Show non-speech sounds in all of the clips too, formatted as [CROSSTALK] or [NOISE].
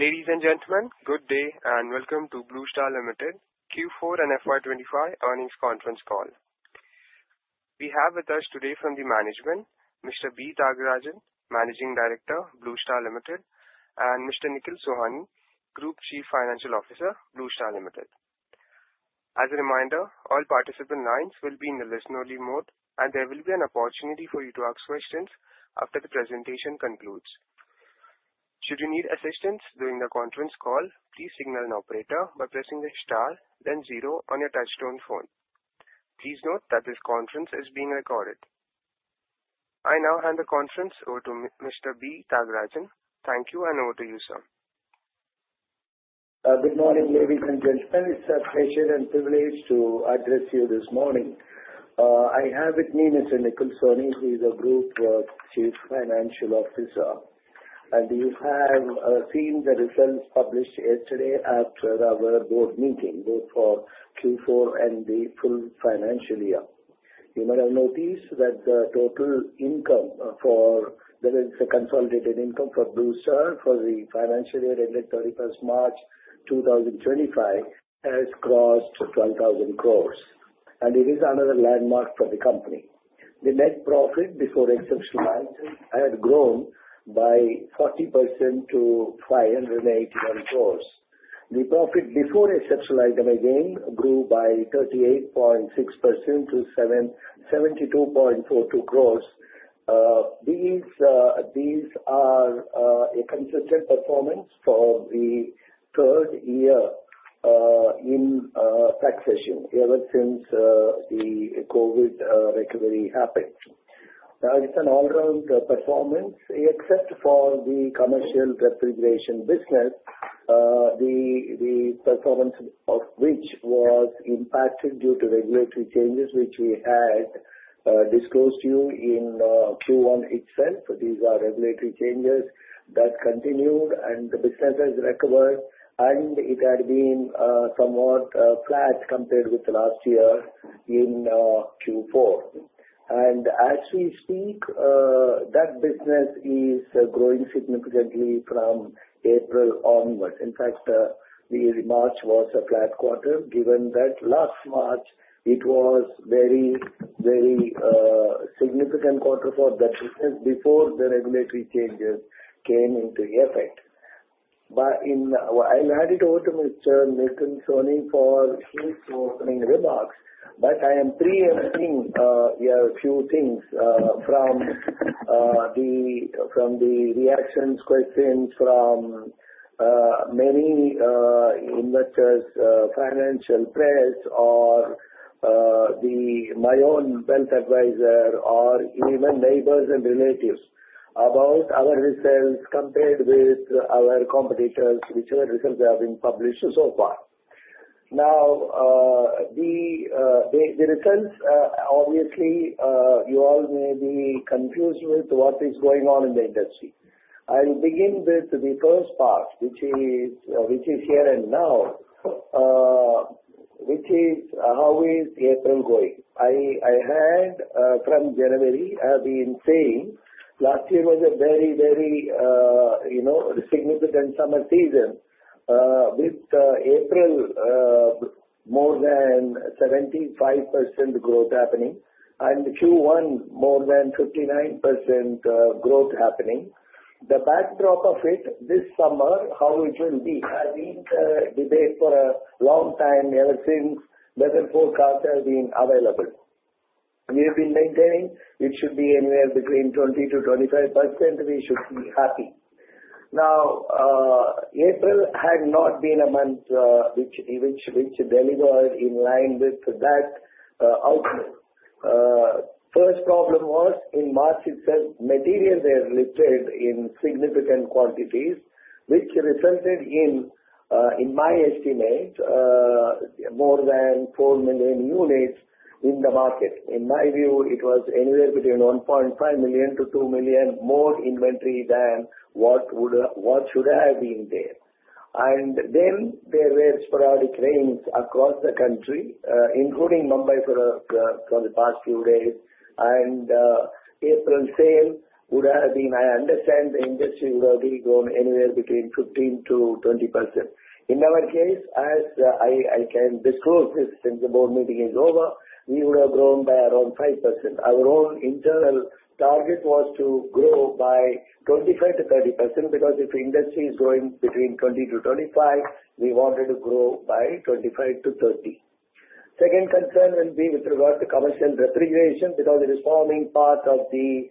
Ladies and gentlemen, good day and welcome to Blue Star Limited Q4 and FY 2025 Earnings Conference Call. We have with us today from the management, Mr. B. Thiagarajan, Managing Director, Blue Star Limited, and Mr. Nikhil Sohani, Group Chief Financial Officer, Blue Star Limited. As a reminder, all participant lines will be in the listen-only mode, and there will be an opportunity for you to ask questions after the presentation concludes. Should you need assistance during the conference call, please signal an operator by pressing the star, then zero on your touch-tone phone. Please note that this conference is being recorded. I now hand the conference over to Mr. B. Thiagarajan. Thank you, and over to you, sir. Good morning, ladies and gentlemen. It's a pleasure and privilege to address you this morning. I have with me Mr. Nikhil Sohoni, who is Group Chief Financial Officer. You have seen the results published yesterday after our board meeting, both for Q4 and the full financial year. You might have noticed that the total income for—that is, the consolidated income for Blue Star for the financial year ended 31st March 2025—has crossed 12,000 crore, and it is another landmark for the company. The net profit before exceptional items had grown by 40% to 581 crore. The profit before exceptional items again grew by 38.6% to 72.42 crore. These are a consistent performance for the third year in taxation ever since the COVID recovery happened. Now, it's an all-round performance, except for the commercial refrigeration business, the performance of which was impacted due to regulatory changes which we had disclosed to you in Q1 itself. These are regulatory changes that continued, and the business has recovered, and it had been somewhat flat compared with last year in Q4. As we speak, that business is growing significantly from April onward. In fact, March was a flat quarter, given that last March it was a very, very significant quarter for that business before the regulatory changes came into effect. I'll hand it over to Mr. Nikhil Sohani for his opening remarks, but I am preempting a few things from the reactions, questions from many investors, financial press, or my own wealth advisor, or even neighbors and relatives about our results compared with our competitors, whichever results have been published so far. Now, the results, obviously, you all may be confused with what is going on in the industry. I'll begin with the first part, which is here and now, which is how is April going? From January, I've been saying last year was a very, very significant summer season, with April more than 75% growth happening and Q1 more than 59% growth happening. The backdrop of it this summer, how it will be, has been a debate for a long time ever since weather forecasts have been available. We have been maintaining it should be anywhere between 20%-25%. We should be happy. Now, April had not been a month which delivered in line with that outlook. First problem was in March, itself, materials were listed in significant quantities, which resulted in, in my estimate, more than 4 million units in the market. In my view, it was anywhere between 1.5 million-2 million more inventory than what should have been there. There were sporadic rains across the country, including Mumbai for the past few days, and April sale would have been—I understand the industry would have grown anywhere between 15%-20%. In our case, as I can disclose this since the board meeting is over, we would have grown by around 5%. Our own internal target was to grow by 25%-30% because if the industry is growing between 20%-25%, we wanted to grow by 25%-30%. Second concern will be with regard to commercial refrigeration because it is forming part of the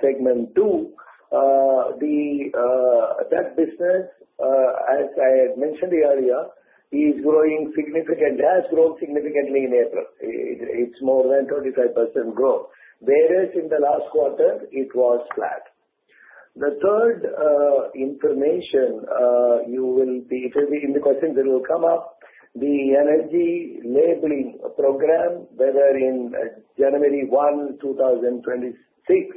segment two. That business, as I had mentioned earlier, has grown significantly in April. It is more than 25% growth. Whereas in the last quarter, it was flat. The third information, it will be in the questions that will come up, the energy labeling program, whether on January 1, 2026,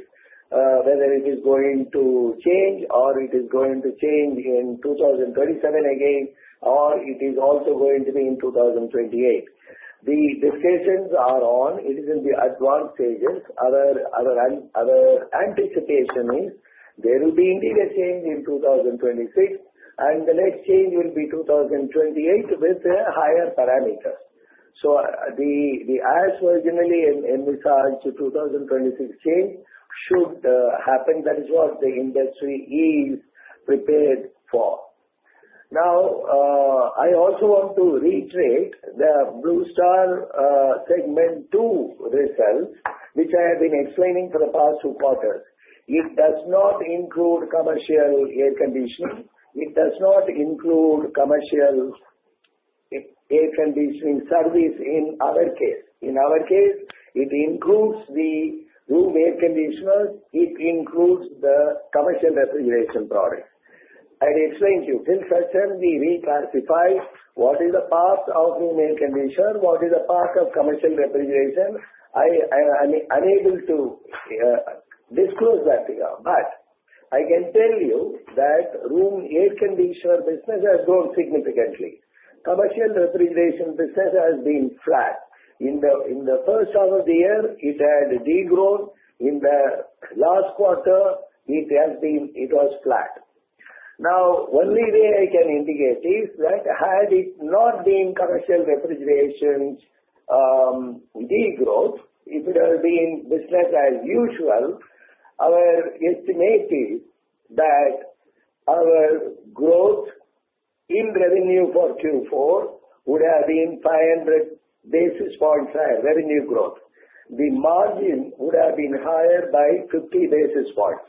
whether it is going to change or it is going to change in 2027 again, or it is also going to be in 2028. The discussions are on. It is in the advanced stages. Our anticipation is there will be indeed a change in 2026, and the next change will be 2028 with a higher parameter. So the urgently and necessary 2026 change should happen. That is what the industry is prepared for. Now, I also want to reiterate the Blue Star segment two results, which I have been explaining for the past two quarters. It does not include commercial air conditioning. It does not include commercial air conditioning service in our case. In our case, it includes the room air conditioners. It includes the commercial refrigeration product. I'd explained to you. Till certainly we classify what is the path of room air conditioner, what is the path of commercial refrigeration. I'm unable to disclose that, but I can tell you that room air conditioner business has grown significantly. Commercial refrigeration business has been flat. In the first half of the year, it had degrown. In the last quarter, it was flat. Now, the only way I can indicate is that had it not been commercial refrigeration's degrowth, if it had been business as usual, our estimate is that our growth in revenue for Q4 would have been 500 basis points higher, revenue growth. The margin would have been higher by 50 basis points.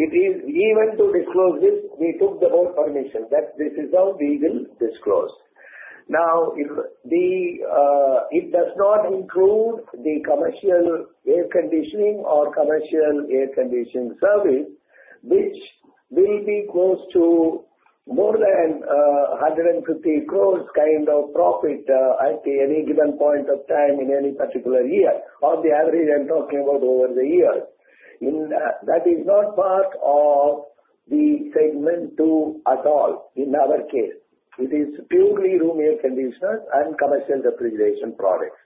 It is even to disclose this, we took the board permission that this is how we will disclose. Now, it does not include the commercial air conditioning or commercial air conditioning service, which will be close to more than 150 crore kind of profit at any given point of time in any particular year, or the average I'm talking about over the years. That is not part of the segment two at all in our case. It is purely room air conditioners and commercial refrigeration products.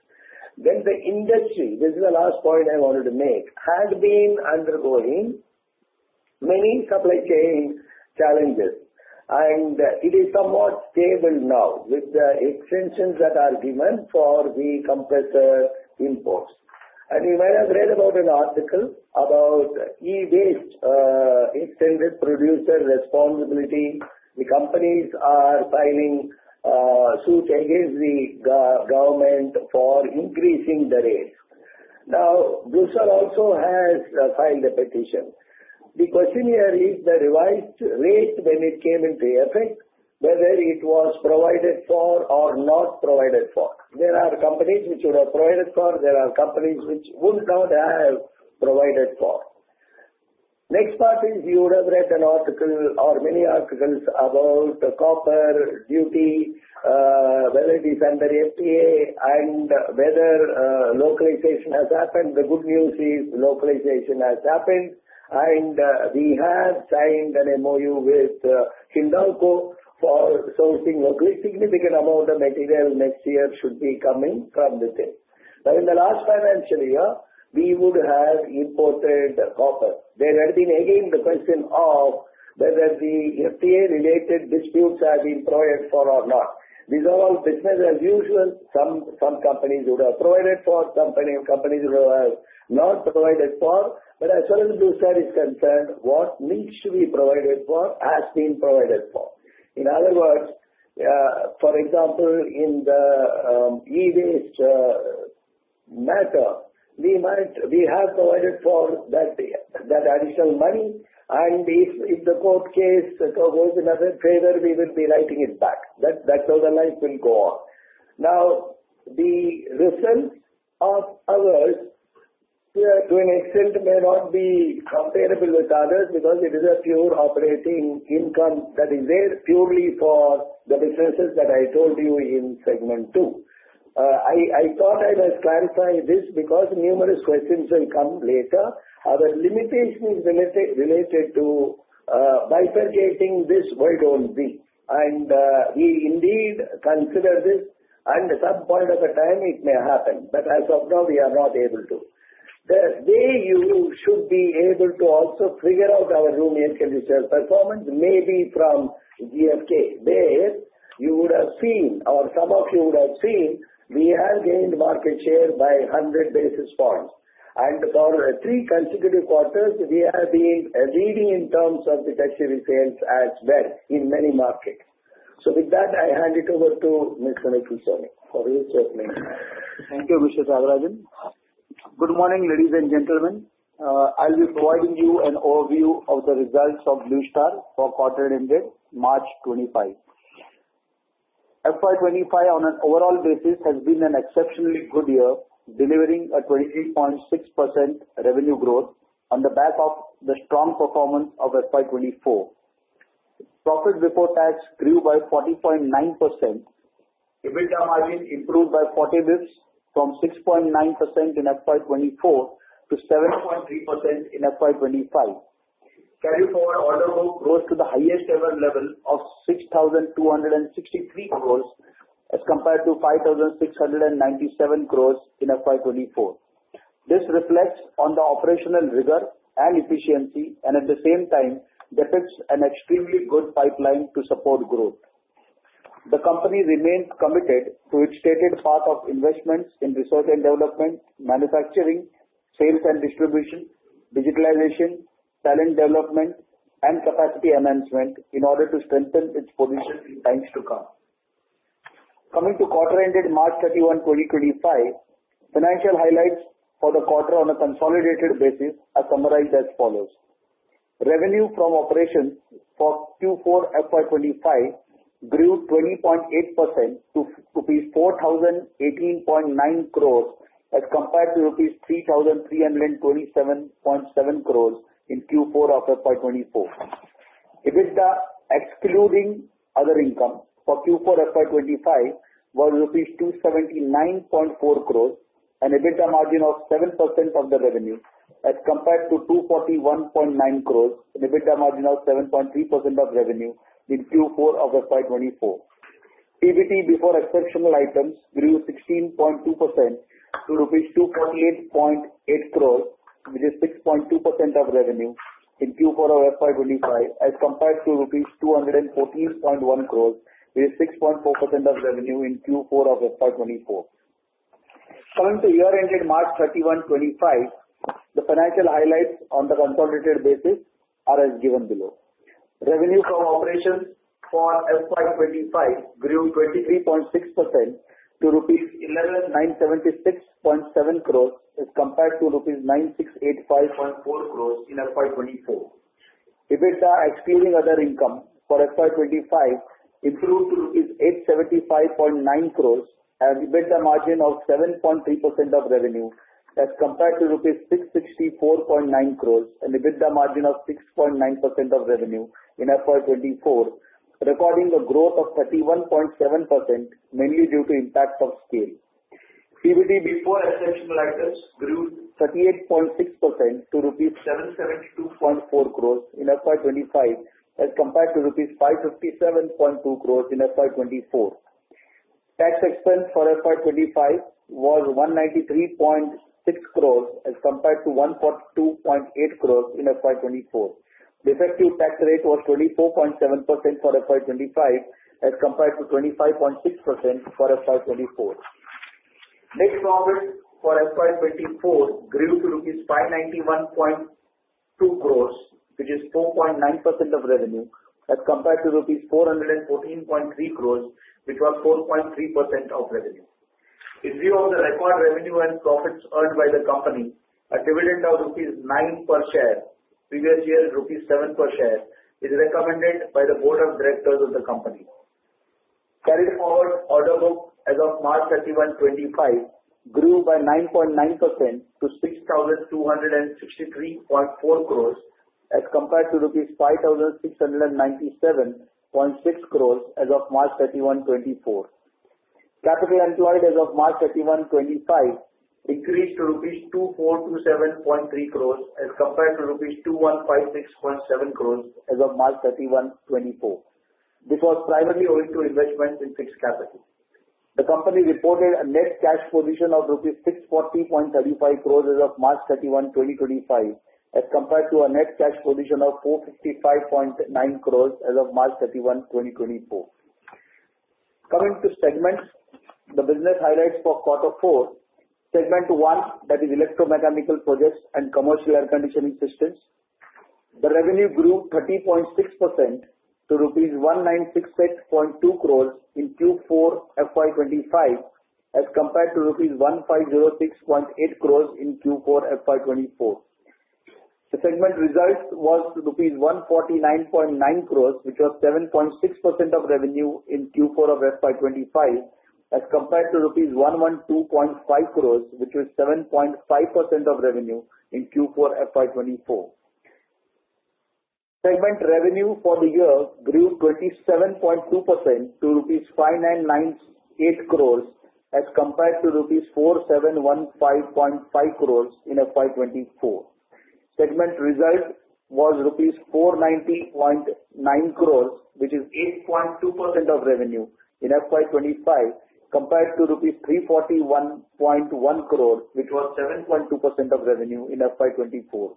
The industry, this is the last point I wanted to make, had been undergoing many supply chain challenges, and it is somewhat stable now with the extensions that are given for the compressor imports. You might have read about an article about e-waste extended producer responsibility. The companies are filing suit against the government for increasing the rate. Blue Star also has filed a petition. The question here is the revised rate when it came into effect, whether it was provided for or not provided for. There are companies which would have provided for. There are companies which would not have provided for. Next part is you would have read an article or many articles about the copper duty, whether it is under FTA and whether localization has happened. The good news is localization has happened, and we have signed an MoU with Hindalco for sourcing locally. Significant amount of material next year should be coming from the state. Now, in the last financial year, we would have imported copper. There had been again the question of whether the FTA-related disputes have been provided for or not. These are all business as usual. Some companies would have provided for. Some companies would have not provided for. As far as Blue Star is concerned, what needs to be provided for has been provided for. In other words, for example, in the e-waste matter, we have provided for that additional money, and if the court case goes in our favor, we will be writing it back. That's how the life will go on. Now, the results of ours, to an extent, may not be comparable with others because it is a pure operating income that is there purely for the businesses that I told you in segment two. I thought I must clarify this because numerous questions will come later. Our limitation is related to bifurcating this world on Z. We indeed consider this, and at some point of the time, it may happen, but as of now, we are not able to. The way you should be able to also figure out our room air conditioner performance may be from GFK. There you would have seen, or some of you would have seen, we have gained market share by 100 basis points. For three consecutive quarters, we have been leading in terms of the tax rebates as well in many markets. With that, I hand it over to Mr. Nikhil Sohoni for his opening. Thank you, Mr. Thiagarajan. Good morning, ladies and gentlemen. I'll be providing you an overview of the results of Blue Star for quarter-ended March 2025. FY 2025, on an overall basis, has been an exceptionally good year, delivering a 23.6% revenue growth on the back of the strong performance of FY 2024. Profit before tax grew by 40.9%. EBITDA margin improved by 40 basis points from 6.9% in FY 2024 to 7.3% in FY 2025. Carry forward order book rose to the highest-ever level of 6,263 crore as compared to 5,697 crore in FY 2024. This reflects on the operational rigor and efficiency, and at the same time, depicts an extremely good pipeline to support growth. The company remains committed to its stated path of investments in research and development, manufacturing, sales and distribution, digitalization, talent development, and capacity enhancement in order to strengthen its position in times to come. Coming to quarter-ended March 31, 2025, financial highlights for the quarter on a consolidated basis are summarized as follows. Revenue from operations for Q4 FY 2025 grew 20.8% to rupees 4,018.9 crores as compared to rupees 3,327.7 crores in Q4 of FY 2024. EBITDA, excluding other income for Q4 FY 2025, was rupees 279.4 crores, an EBITDA margin of 7% of the revenue as compared to 241.9 crores, an EBITDA margin of 7.3% of revenue in Q4 of FY 2024. EBITDA before exceptional items grew 16.2% to rupees 248.8 crores, which is 6.2% of revenue in Q4 of FY 2025, as compared to rupees 214.1 crores, which is 6.4% of revenue in Q4 of FY 2024. Coming to year-ended March 31, 2025, the financial highlights on the consolidated basis are as given below. Revenue from operations for FY 2025 grew 23.6% to rupees 11,976.7 crores as compared to rupees 9,685.4 crores in FY 2024. EBITDA, excluding other income for FY 2025, improved to rupees 875.9 crores and EBITDA margin of 7.3% of revenue as compared to rupees 664.9 crores and EBITDA margin of 6.9% of revenue in FY 2024, recording a growth of 31.7% mainly due to impact of scale. EBITDA before exceptional items grew 38.6% to rupees 772.4 crores in FY 2025 as compared to rupees 557.2 crores in FY 2024. Tax expense for FY 2025 was 193.6 crores as compared to 142.8 crores in FY 2024. The effective tax rate was 24.7% for FY 2025 as compared to 25.6% for FY 2024. Net profit for FY 2024 grew to rupees 591.2 crores, which is 4.9% of revenue as compared to rupees 414.3 crores, which was 4.3% of revenue. In view of the record revenue and profits earned by the company, a dividend of rupees 9 per share, previous year rupees 7 per share, is recommended by the board of directors of the company. Carry forward order book as of March 31, 2025, grew by 9.9% to 6,263.4 crore as compared to rupees 5,697.6 crore as of March 31, 2024. Capital employed as of March 31, 2025, increased to rupees 2,427.3 crore as compared to rupees 2,156.7 crore as of March 31, 2024. This was primarily owing to investments in fixed capital. The company reported a net cash position of rupees 640.35 crore as of March 31, 2025, as compared to a net cash position of 455.9 crore as of March 31, 2024. Coming to segments, the business highlights for quarter four, segment one that is electromechanical projects and commercial air conditioning systems. The revenue grew 30.6% to rupees 1,968.2 crores in Q4 FY 2025 as compared to rupees 1,506.8 crores in Q4 FY 2024. The segment result was rupees 149.9 crores, which was 7.6% of revenue in Q4 of FY 2025 as compared to rupees 112.5 crores, which was 7.5% of revenue in Q4 FY 2024. Segment revenue for the year grew 27.2% to rupees 5,998 crores as compared to rupees 4,715.5 crores in FY 2024. Segment result was rupees 490.9 crores, which is 8.2% of revenue in FY 2025 compared to rupees 341.1 crores, which was 7.2% of revenue in FY 2024.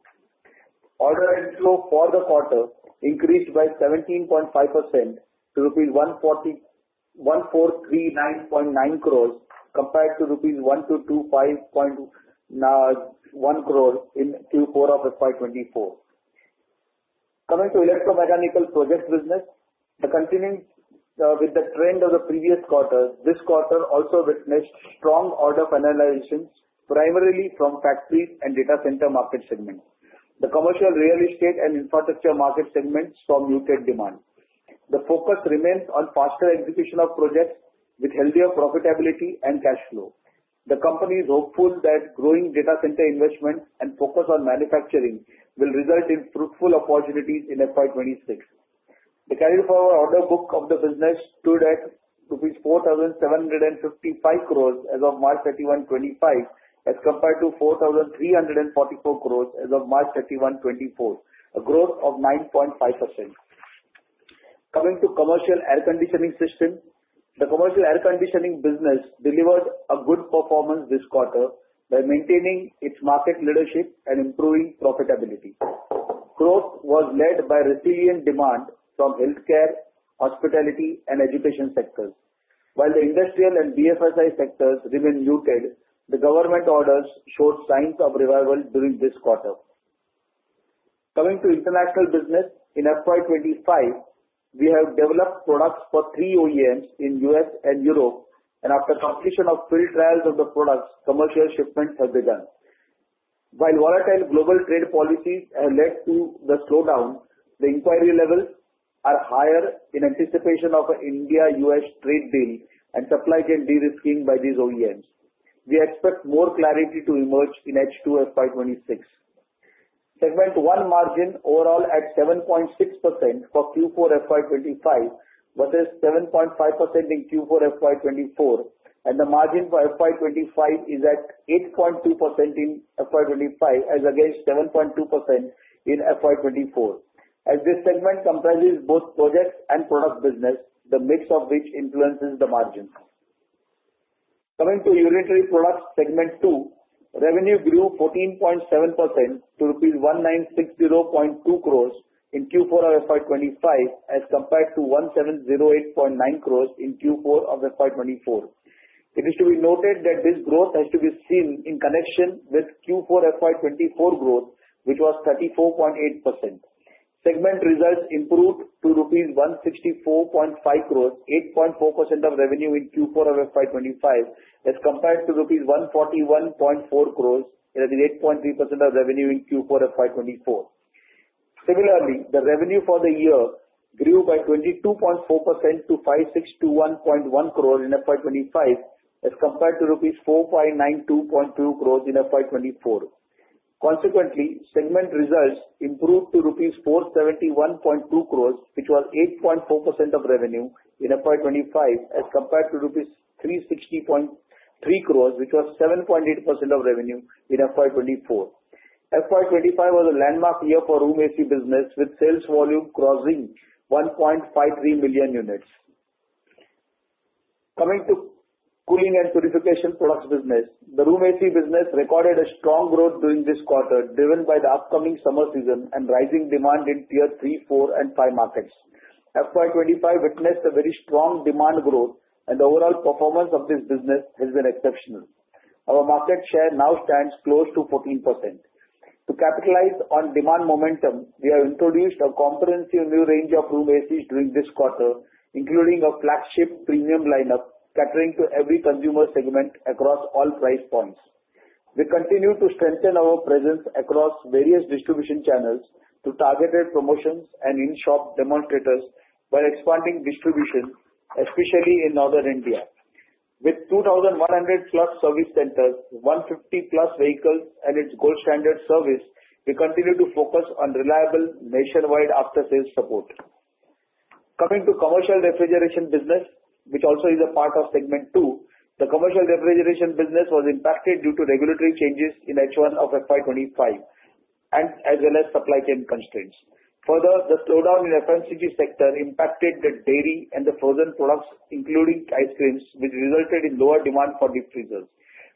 Order inflow for the quarter increased by 17.5% to rupees 1,439.9 crores compared to rupees 1,225.1 crores in Q4 of FY 2024. Coming to the electromechanical project business, continuing with the trend of the previous quarter, this quarter also witnessed strong order finalizations, primarily from factories and data center market segments. The commercial real estate and infrastructure market segments saw muted demand. The focus remained on faster execution of projects with healthier profitability and cash flow. The company is hopeful that growing data center investments and focus on manufacturing will result in fruitful opportunities in FY 2026. The carry forward order book of the business stood at rupees 4,755 crore as of March 31, 2025, as compared to 4,344 crore as of March 31, 2024, a growth of 9.5%. Coming to commercial air conditioning system, the commercial air conditioning business delivered a good performance this quarter by maintaining its market leadership and improving profitability. Growth was led by resilient demand from healthcare, hospitality, and education sectors. While the industrial and BFSI sectors remain muted, the government orders showed signs of revival during this quarter. Coming to international business, in FY 2025, we have developed products for three OEMs in the U.S. and Europe, and after completion of field trials of the products, commercial shipments have begun. While volatile global trade policies have led to the slowdown, the inquiry levels are higher in anticipation of an India-U.S. trade deal and supply chain de-risking by these OEMs. We expect more clarity to emerge in H2 FY 2026. Segment one margin overall at 7.6% for Q4 FY 2025, but there is 7.5% in Q4 FY 2024, and the margin for FY 2025 is at 8.2% in FY 2025, as against 7.2% in FY 2024. As this segment comprises both projects and product business, the mix of which influences the margins. Coming to unitary products segment two, revenue grew 14.7% to rupees 1,960.2 crores in Q4 of FY 2025 as compared to 1,708.9 crores in Q4 of FY 2024. It is to be noted that this growth has to be seen in connection with Q4 FY 2024 growth, which was 34.8%. Segment results improved to rupees 164.5 crores, 8.4% of revenue in Q4 of FY 2025, as compared to rupees 141.4 crores, that is 8.3% of revenue in Q4 FY 2024. Similarly, the revenue for the year grew by 22.4% to 5,621.1 crores in FY 2025, as compared to rupees 4,592.2 crores in FY 2024. Consequently, segment results improved to rupees 471.2 crores, which was 8.4% of revenue in FY 2025, as compared to rupees 360.3 crores, which was 7.8% of revenue in FY 2024. FY 2025 was a landmark year for room AC business, with sales volume crossing 1.53 million units. Coming to cooling and purification products business, the room AC business recorded a strong growth during this quarter, driven by the upcoming summer season and rising demand in tier three-five markets. FY 2025 witnessed a very strong demand growth, and the overall performance of this business has been exceptional. Our market share now stands close to 14%. To capitalize on demand momentum, we have introduced a comprehensive new range of room ACs during this quarter, including a flagship premium lineup, catering to every consumer segment across all price points. We continue to strengthen our presence across various distribution channels through targeted promotions and in-shop demonstrators while expanding distribution, especially in North India. With 2,100+ service centers, 150+ vehicles, and its gold standard service, we continue to focus on reliable nationwide after-sales support. Coming to commercial refrigeration business, which also is a part of segment two, the commercial refrigeration business was impacted due to regulatory changes in H1 of FY 2025, as well as supply chain constraints. Further, the slowdown in the FMCG sector impacted the dairy and the frozen products, including ice creams, which resulted in lower demand for deep freezers.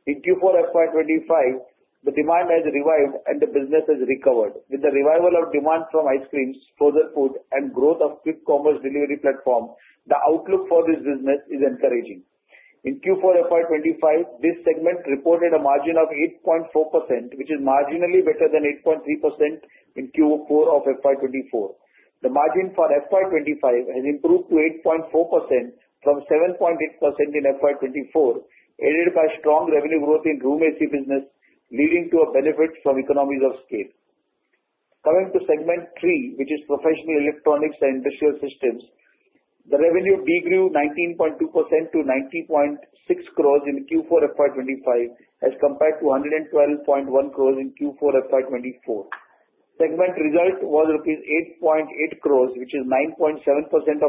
In Q4 FY 2025, the demand has revived, and the business has recovered. With the revival of demand from ice creams, frozen food, and growth of quick commerce delivery platforms, the outlook for this business is encouraging. In Q4 FY 2025, this segment reported a margin of 8.4%, which is marginally better than 8.3% in Q4 of FY 2024. The margin for FY 2025 has improved to 8.4% from 7.8% in FY 2024, aided by strong revenue growth in room AC business, leading to a benefit from economies of scale. Coming to segment three, which is professional electronics and industrial systems, the revenue degrew 19.2% to 90.6 crore in Q4 FY 2025, as compared to 112.1 crore in Q4 FY 2024. Segment result was INR 8.8 crore, which is 9.7%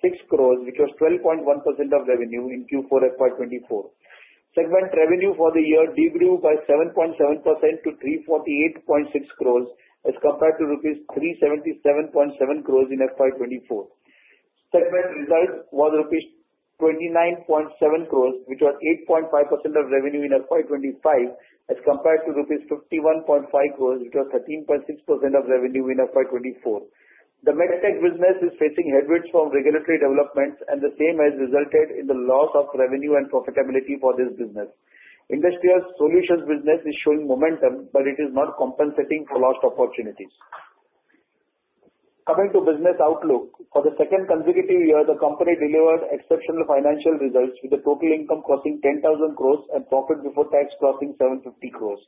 of revenue in Q4 FY 2025, as compared to INR 13.6 crore, which was 12.1% of revenue in Q4 FY 2024. Segment revenue for the year degrew by 7.7% to 348.6 crore, as compared to INR 377.7 crore in FY 2024. Segment result was INR 29.7 crore, which was 8.5% of revenue in FY 2025, as compared to rupees 51.5 crore, which was 13.6% of revenue in FY 2024. The med tech business is facing headwinds from regulatory developments, and the same has resulted in the loss of revenue and profitability for this business. Industrial solutions business is showing momentum, but it is not compensating for lost opportunities. Coming to business outlook, for the second consecutive year, the company delivered exceptional financial results, with the total income crossing 10,000 crores and profit before tax crossing 750 crores.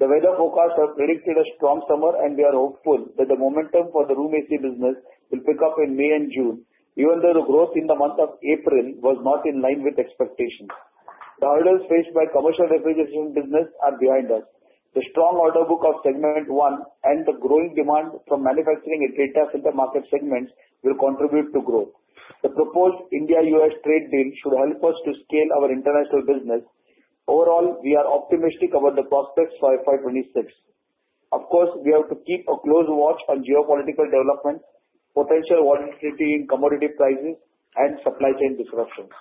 The weather forecasts have predicted a strong summer, and we are hopeful that the momentum for the room AC business will pick up in May-June, even though the growth in the month of April was not in line with expectations. The hurdles faced by commercial refrigeration business are behind us. The strong order book of segment one and the growing demand from manufacturing and data center market segments will contribute to growth. The proposed India-U.S. trade deal should help us to scale our international business. Overall, we are optimistic about the prospects for FY 2026. Of course, we have to keep a close watch on geopolitical developments, potential volatility in commodity prices, and supply chain disruptions.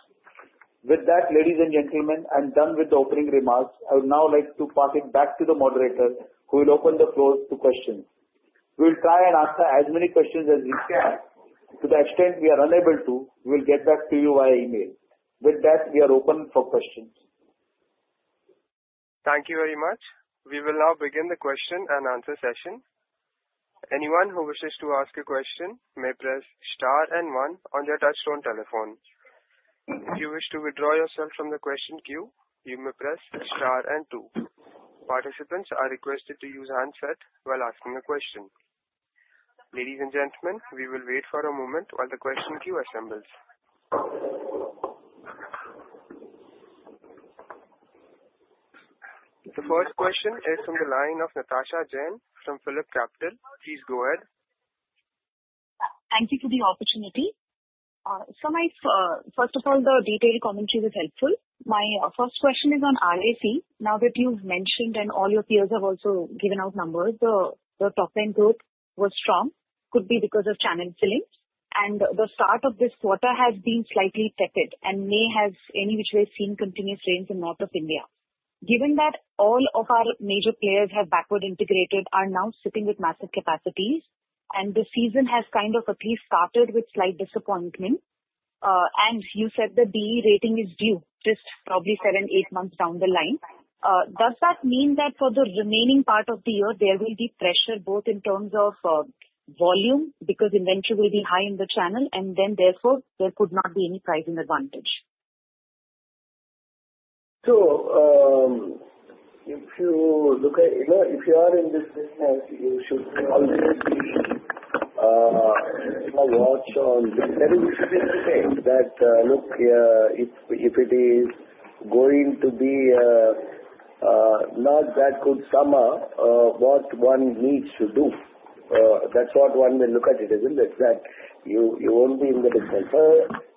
With that, ladies and gentlemen, and done with the opening remarks, I would now like to pass it back to the moderator, who will open the floor to questions. We will try and answer as many questions as we can. To the extent we are unable to, we will get back to you via email. With that, we are open for questions. Thank you very much. We will now begin the question and answer session. Anyone who wishes to ask a question may press star and one on their touchstone telephone. If you wish to withdraw yourself from the question queue, you may press star and two. Participants are requested to use handset while asking a question. Ladies and gentlemen, we will wait for a moment while the question queue assembles. The first question is from the line of Natasha Jain from PhillipCapital. Please go ahead. Thank you for the opportunity. First of all, the detailed commentary was helpful. My first question is on RAC. Now that you've mentioned and all your peers have also given out numbers, the top-line growth was strong. Could be because of channel filling. The start of this quarter has been slightly tepid and may have in which way seen continuous rains in north of India. Given that all of our major players have backward integrated, are now sitting with massive capacities, and the season has kind of at least started with slight disappointment. You said that the rating is due, just probably seven, eight months down the line. Does that mean that for the remaining part of the year, there will be pressure both in terms of volume because inventory will be high in the channel, and then therefore there could not be any pricing advantage? If you look at, you know, if you are in this business, you should always be watch on. That is to say that, look, if it is going to be a not that good summer, what one needs to do. That's what one may look at it as, isn't it? That you won't be in the business.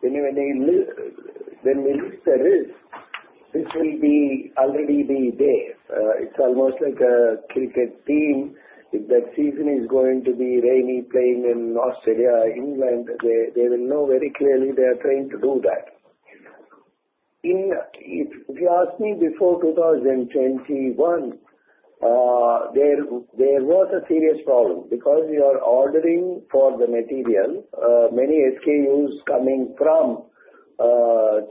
When the list there is, this will already be there. It's almost like a cricket team. If that season is going to be rainy playing in Australia or England, they will know very clearly they are trying to do that. If you ask me before 2021, there was a serious problem because you are ordering for the material. Many SKUs coming from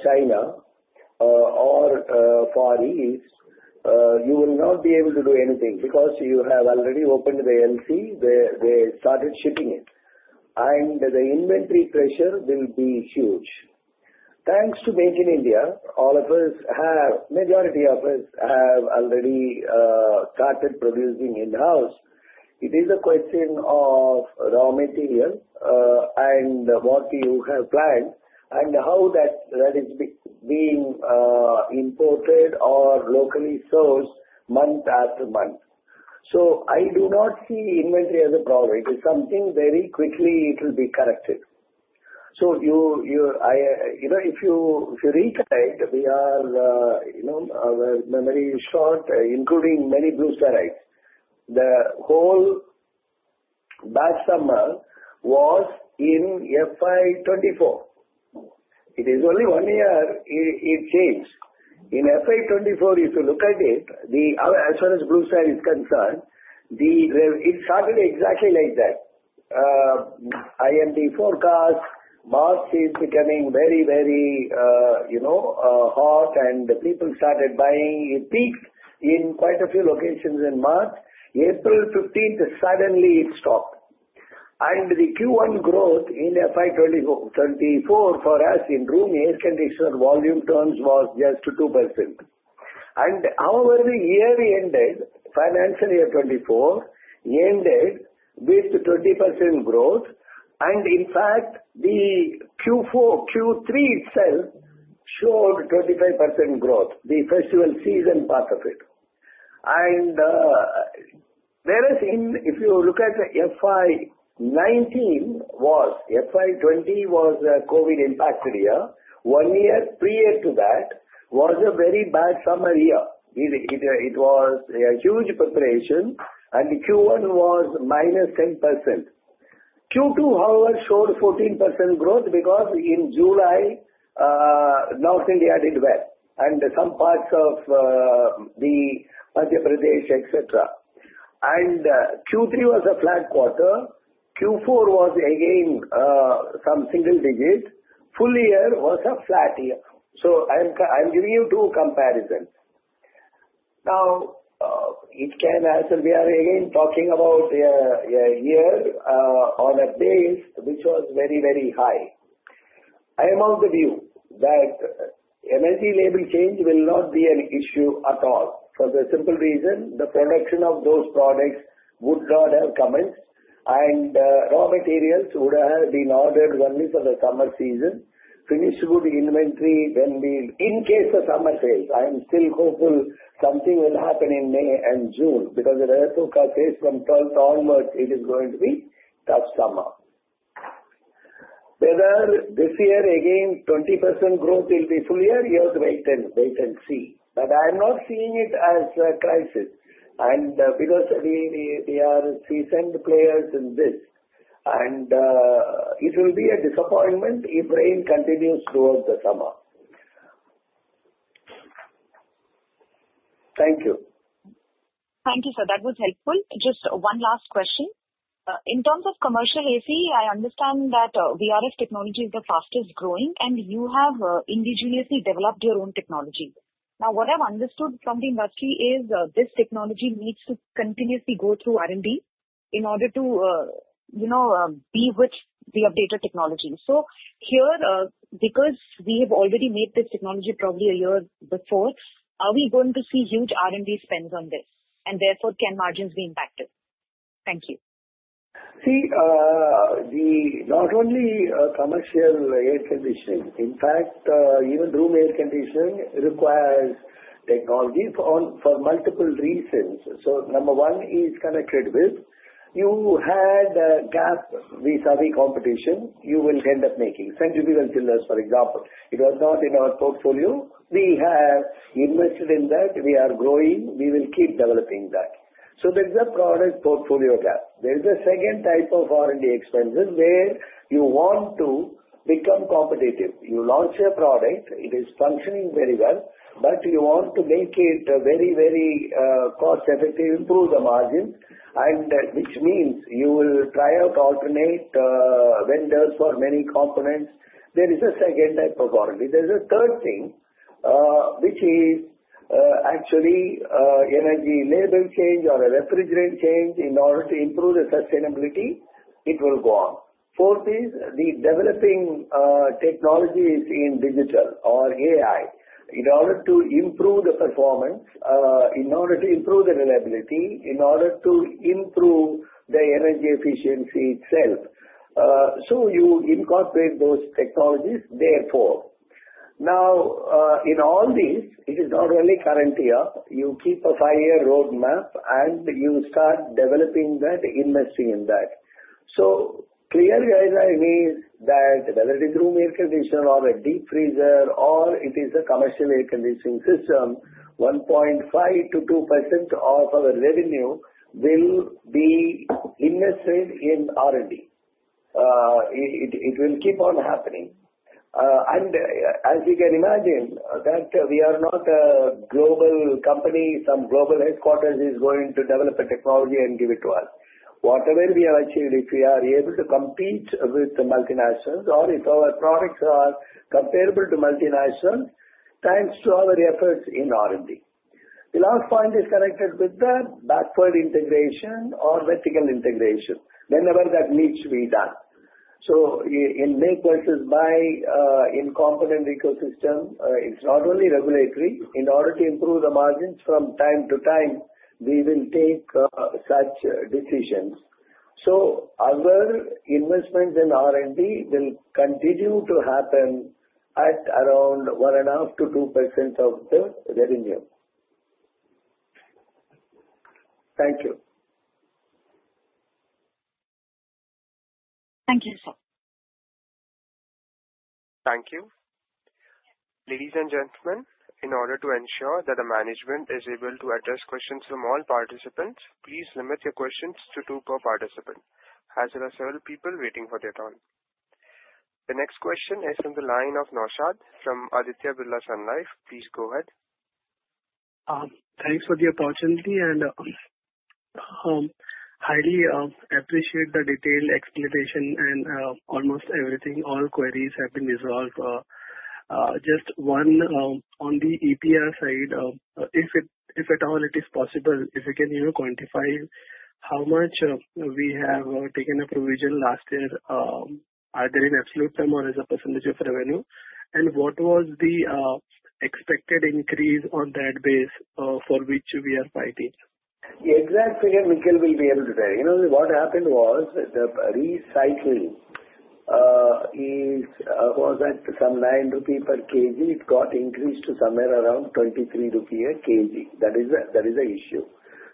China or Far East, you will not be able to do anything because you have already opened the LC. They started shipping it. The inventory pressure will be huge. Thanks to Made in India, all of us have, majority of us have already started producing in-house. It is a question of raw material and what you have planned and how that is being imported or locally sourced month after month. I do not see inventory as a problem. It is something very quickly it will be corrected. If you recollect, we are, you know, our memory is short, including many Blue Stars. The whole bad summer was in FY 2024. It is only one year it changed. In FY 2024, if you look at it, as far as Blue Star is concerned, it started exactly like that. IMD forecast, March is becoming very, very, you know, hot, and the people started buying. It peaked in quite a few locations in March. April 15th, suddenly it stopped. The Q1 growth in FY 2024 for us in room air conditioner volume terms was just 2%. However, the year ended, financial year 2024 ended with 20% growth. In fact, Q3 itself showed 25% growth, the festival season part of it. Whereas if you look at FY 2019, FY 2020 was a COVID-impacted year. One year prior to that was a very bad summer year. It was a huge preparation, and Q1 was -10%. Q2, however, showed 14% growth because in July, North India did well, and some parts of Madhya Pradesh, etc. Q3 was a flat quarter. Q4 was again some single digit. Full year was a flat year. I am giving you two comparisons. Now, it can answer, we are again talking about a year on a base which was very, very high. I am of the view that MSG label change will not be an issue at all for the simple reason the production of those products would not have comments. And raw materials would have been ordered only for the summer season. Finished good inventory when we, in case the summer sales, I am still hopeful something will happen in May and June because the weather forecast says from 12th onwards it is going to be tough summer. Whether this year again 20% growth will be full year, you have to wait and see. I am not seeing it as a crisis. Because we are seasoned players in this, it will be a disappointment if rain continues throughout the summer. Thank you. [CROSSTALK] Thank you, sir. That was helpful. Just one last question. In terms of commercial AC, I understand that VRF technology is the fastest growing, and you have ingeniously developed your own technology. Now, what I've understood from the industry is this technology needs to continuously go through R&D in order to, you know, be with the updated technology. Here, because we have already made this technology probably a year before, are we going to see huge R&D spends on this? Therefore, can margins be impacted? Thank you. See, not only commercial air conditioning. In fact, even room air conditioning requires technology for multiple reasons. Number one is connected with you had a gap with other competition. You will end up making centrifugal chillers, for example. It was not in our portfolio. We have invested in that. We are growing. We will keep developing that. There is a product portfolio gap. There is a second type of R&D expenses where you want to become competitive. You launch a product. It is functioning very well, but you want to make it very, very cost-effective, improve the margins, which means you will try out alternate vendors for many components. There is a second type of R&D. There is a third thing, which is actually energy label change or a refrigerant change in order to improve the sustainability. It will go on. Fourth is the developing technologies in digital or AI in order to improve the performance, in order to improve the reliability, in order to improve the energy efficiency itself. You incorporate those technologies therefore. Now, in all these, it is not only current year. You keep a five-year roadmap, and you start developing that investing in that. Clear guideline is that whether it is room air conditioner or a deep freezer or it is a commercial air conditioning system, 1.5%-2% of our revenue will be invested in R&D. It will keep on happening. As you can imagine, we are not a global company. Some global headquarters is not going to develop a technology and give it to us. Whatever we have achieved, if we are able to compete with the multinationals or if our products are comparable to multinationals, thanks to our efforts in R&D. The last point is connected with the backward integration or vertical integration, whenever that needs to be done. In make versus buy in component ecosystem, it is not only regulatory. In order to improve the margins from time to time, we will take such decisions. Other investments in R&D will continue to happen at around 1.5%-2% of the revenue. Thank you. Thank you, sir. Thank you. Ladies and gentlemen, in order to ensure that the management is able to address questions from all participants, please limit your questions to two per participant, as there are several people waiting for their turn. The next question is from the line of Naushad from Aditya Birla Sun Life. Please go ahead. Thanks for the opportunity. I highly appreciate the detailed explanation and almost everything. All queries have been resolved. Just one on the EPR side, if at all it is possible, if you can quantify how much we have taken a provision last year, either in absolute term or as a percentage of revenue, and what was the expected increase on that base for which we are fighting? The exact figure Nikhil will be able to tell you. You know, what happened was the recycling was at some 9 rupee per kg. It got increased to somewhere around 23 rupee a kg. That is an issue.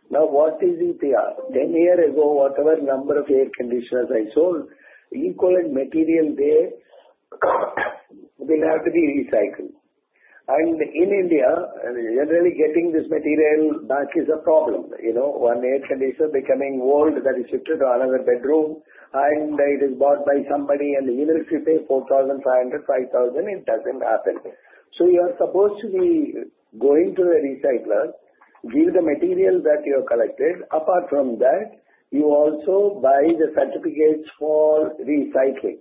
Now, what is EPR? Ten years ago, whatever number of air conditioners I sold, equal material there will have to be recycled. And in India, generally getting this material back is a problem. You know, one air conditioner becoming old, that is shifted to another bedroom, and it is bought by somebody, and even if you pay 4,500- 5,000, it doesn't happen. You are supposed to be going to the recycler, give the material that you have collected. Apart from that, you also buy the certificates for recycling.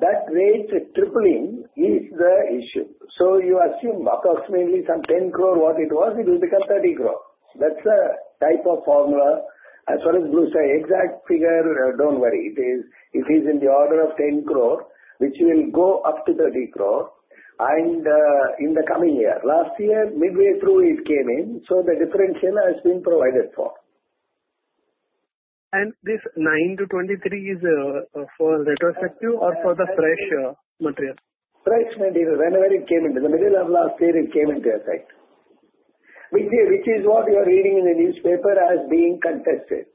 That rate tripling is the issue. You assume approximately some 10 crore what it was, it will become 30 crore. That's a type of formula. As far as Blue Star, exact figure, don't worry. It is in the order of 10 crore, which will go up to 30 crore in the coming year. Last year, midway through, it came in. So the differential has been provided for. And this 9 crores to 23 crores is for retrospective or for the fresh material? Fresh material, whenever it came into the middle of last year, it came into effect, which is what you are reading in the newspaper as being contested.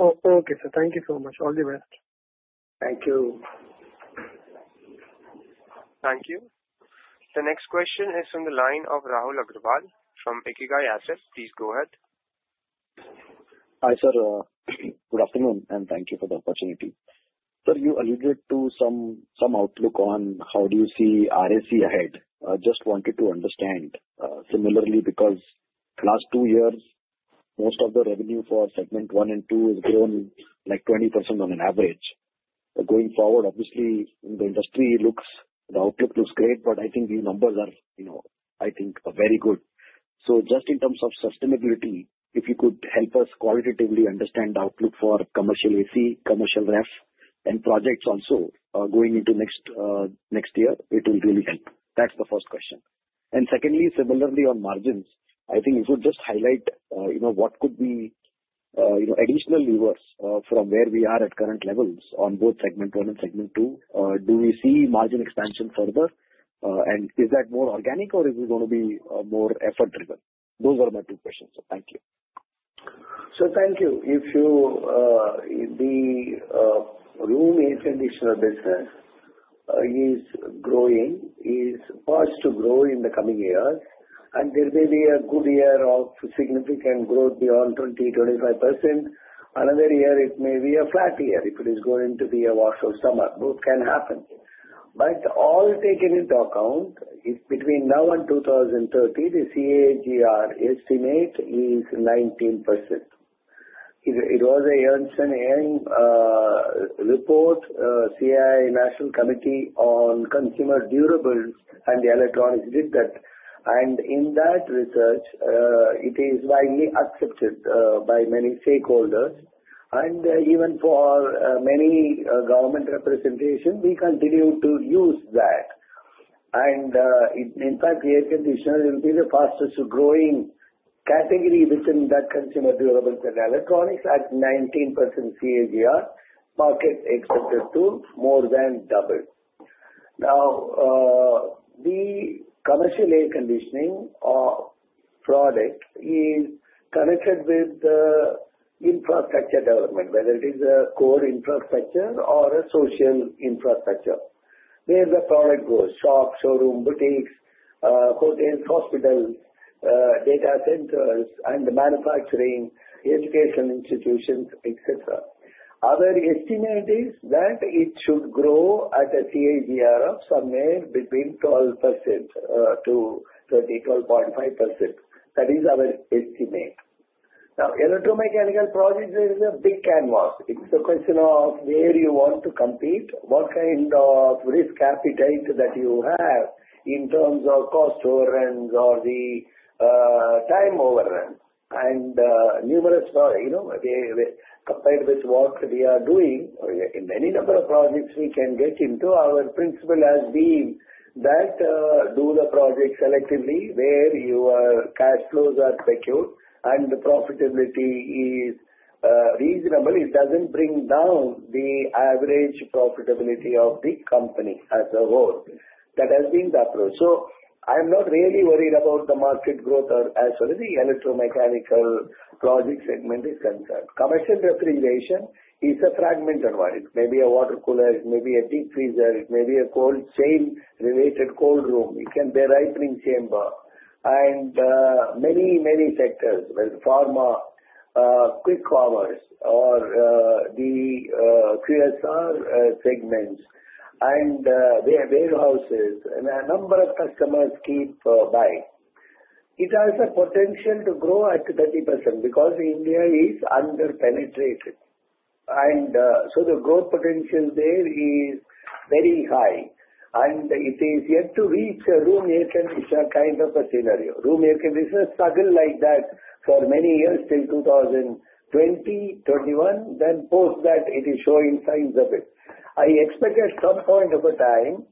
Oh, okay, sir. Thank you so much. All the best. Thank you. Thank you. The next question is from the line of Rahul AgrAgarwal from Ekigai Assets. Please go ahead. Hi sir. Good afternoon, and thank you for the opportunity. Sir, you alluded to some outlook on how do you see RSC ahead. I just wanted to understand. Similarly, because the last two years, most of the revenue for segment one and two has grown like 20% on an average. Going forward, obviously, the industry looks, the outlook looks great, but I think these numbers are, you know, I think are very good. Just in terms of sustainability, if you could help us qualitatively understand the outlook for commercial AC, commercial ref, and projects also going into next year, it will really help. That's the first question. Secondly, similarly on margins, I think you could just highlight, you know, what could be, you know, additional reverse from where we are at current levels on both segment one and segment two. Do we see margin expansion further? Is that more organic or is it going to be more effort-driven? Those are my two questions. Thank you. Sir, thank you. If you, the room air conditioner business is growing, is poised to grow in the coming years, and there may be a good year of significant growth beyond 20%-25%. Another year, it may be a flat year if it is going to be a wash of summer. Both can happen. All taken into account, between now and 2030, the CAGR estimate is 19%. It was an Ernst & Young report, CII National Committee on Consumer Durables, and the Electronics did that. In that research, it is widely accepted by many stakeholders. Even for many government representations, we continue to use that. In fact, the air conditioner will be the fastest growing category within that consumer durables and electronics at 19% CAGR, market accepted to more than double. Now, the commercial air conditioning product is connected with the infrastructure development, whether it is a core infrastructure or a social infrastructure. Where the product goes, shops, showroom, boutiques, hotels, hospitals, data centers, and the manufacturing, educational institutions, etc. Our estimate is that it should grow at a CAGR of somewhere between 12%-12.5%. That is our estimate. Now, electromechanical projects is a big canvas. It's a question of where you want to compete, what kind of risk appetite that you have in terms of cost overruns or the time overruns. And numerous, you know, compared with what we are doing, in any number of projects we can get into, our principle has been that do the projects selectively where your cash flows are secure and the profitability is reasonable. It doesn't bring down the average profitability of the company as a whole. That has been the approach. I'm not really worried about the market growth as far as the electromechanical project segment is concerned. Commercial refrigeration is a fragmented one. It may be a water cooler, it may be a deep freezer, it may be a cold chain related cold room. It can be a ripening chamber. And many, many sectors, pharma, quick commerce, or the QSR segments, and their warehouses, and a number of customers keep buying. It has a potential to grow at 30% because India is under-penetrated. The growth potential there is very high. It is yet to reach a room air conditioner kind of a scenario. Room air conditioner struggled like that for many years till 2020-2021. Post that, it is showing signs of it. I expect at some point of a time,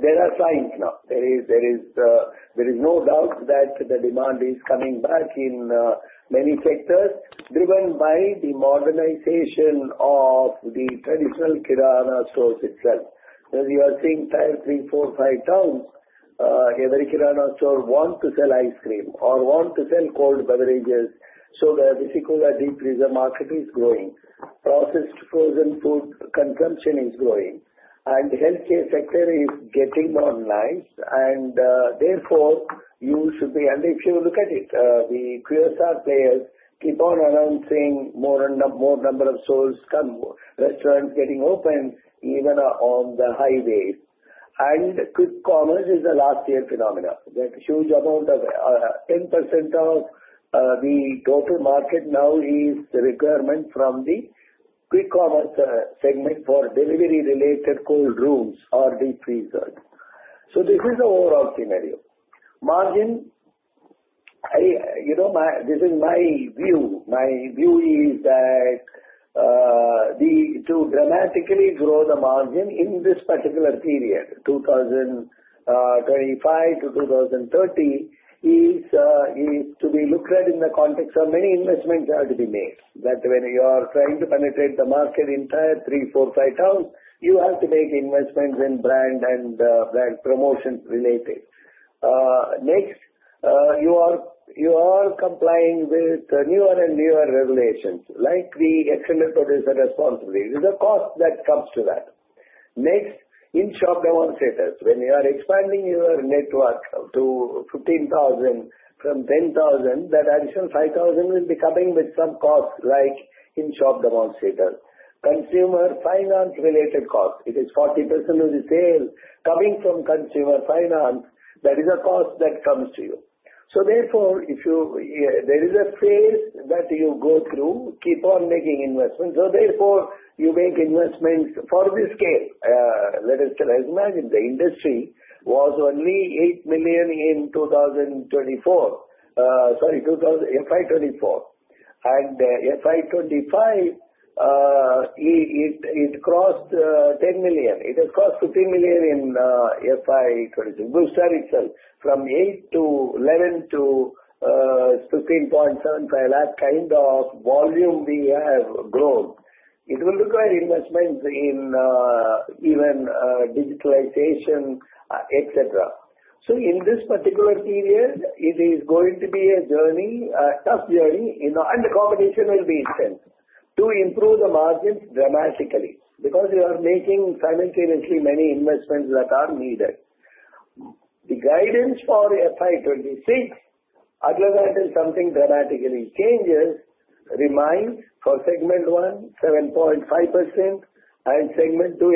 there are signs now. There is no doubt that the demand is coming back in many sectors driven by the modernization of the traditional kirana stores itself. As you are seeing tier three-five towns, every kirana store wants to sell ice cream or wants to sell cold beverages. The bicycle, the deep freezer market is growing. Processed frozen food consumption is growing. The healthcare sector is getting online. Therefore, you should be, and if you look at it, the QSR players keep on announcing more and more number of stores, restaurants getting open, even on the highways. Quick commerce is a last year phenomenon. That huge amount of 10% of the total market now is the requirement from the quick commerce segment for delivery-related cold rooms or deep freezers. This is the overall scenario. Margin, you know, this is my view. My view is that to dramatically grow the margin in this particular period, 2025-2030, is to be looked at in the context of many investments that have to be made. That when you are trying to penetrate the market in tier three-five towns, you have to make investments in brand and brand promotion related. Next, you are complying with newer and newer regulations like the extended producer responsibility. There's a cost that comes to that. Next, in-shop demonstrators. When you are expanding your network to 15,000 from 10,000, that additional 5,000 will be coming with some cost like in-shop demonstrators. Consumer finance-related cost. It is 40% of the sale coming from consumer finance. That is a cost that comes to you. Therefore, if you, there is a phase that you go through, keep on making investments. Therefore, you make investments for this scale. Let us imagine the industry was only 8 million in 2024, sorry, FY 2024. And FY 2025, it crossed 10 million. It has crossed 15 million in FY 2022. Blue Star itself, from 8-15.75, that kind of volume we have grown. It will require investments in even digitalization, etc. In this particular period, it is going to be a journey, a tough journey, and the competition will be intense to improve the margins dramatically because you are making simultaneously many investments that are needed. The guidance for FY 2026, other than something dramatically changes, remains for segment one, 7.5%, and segment two,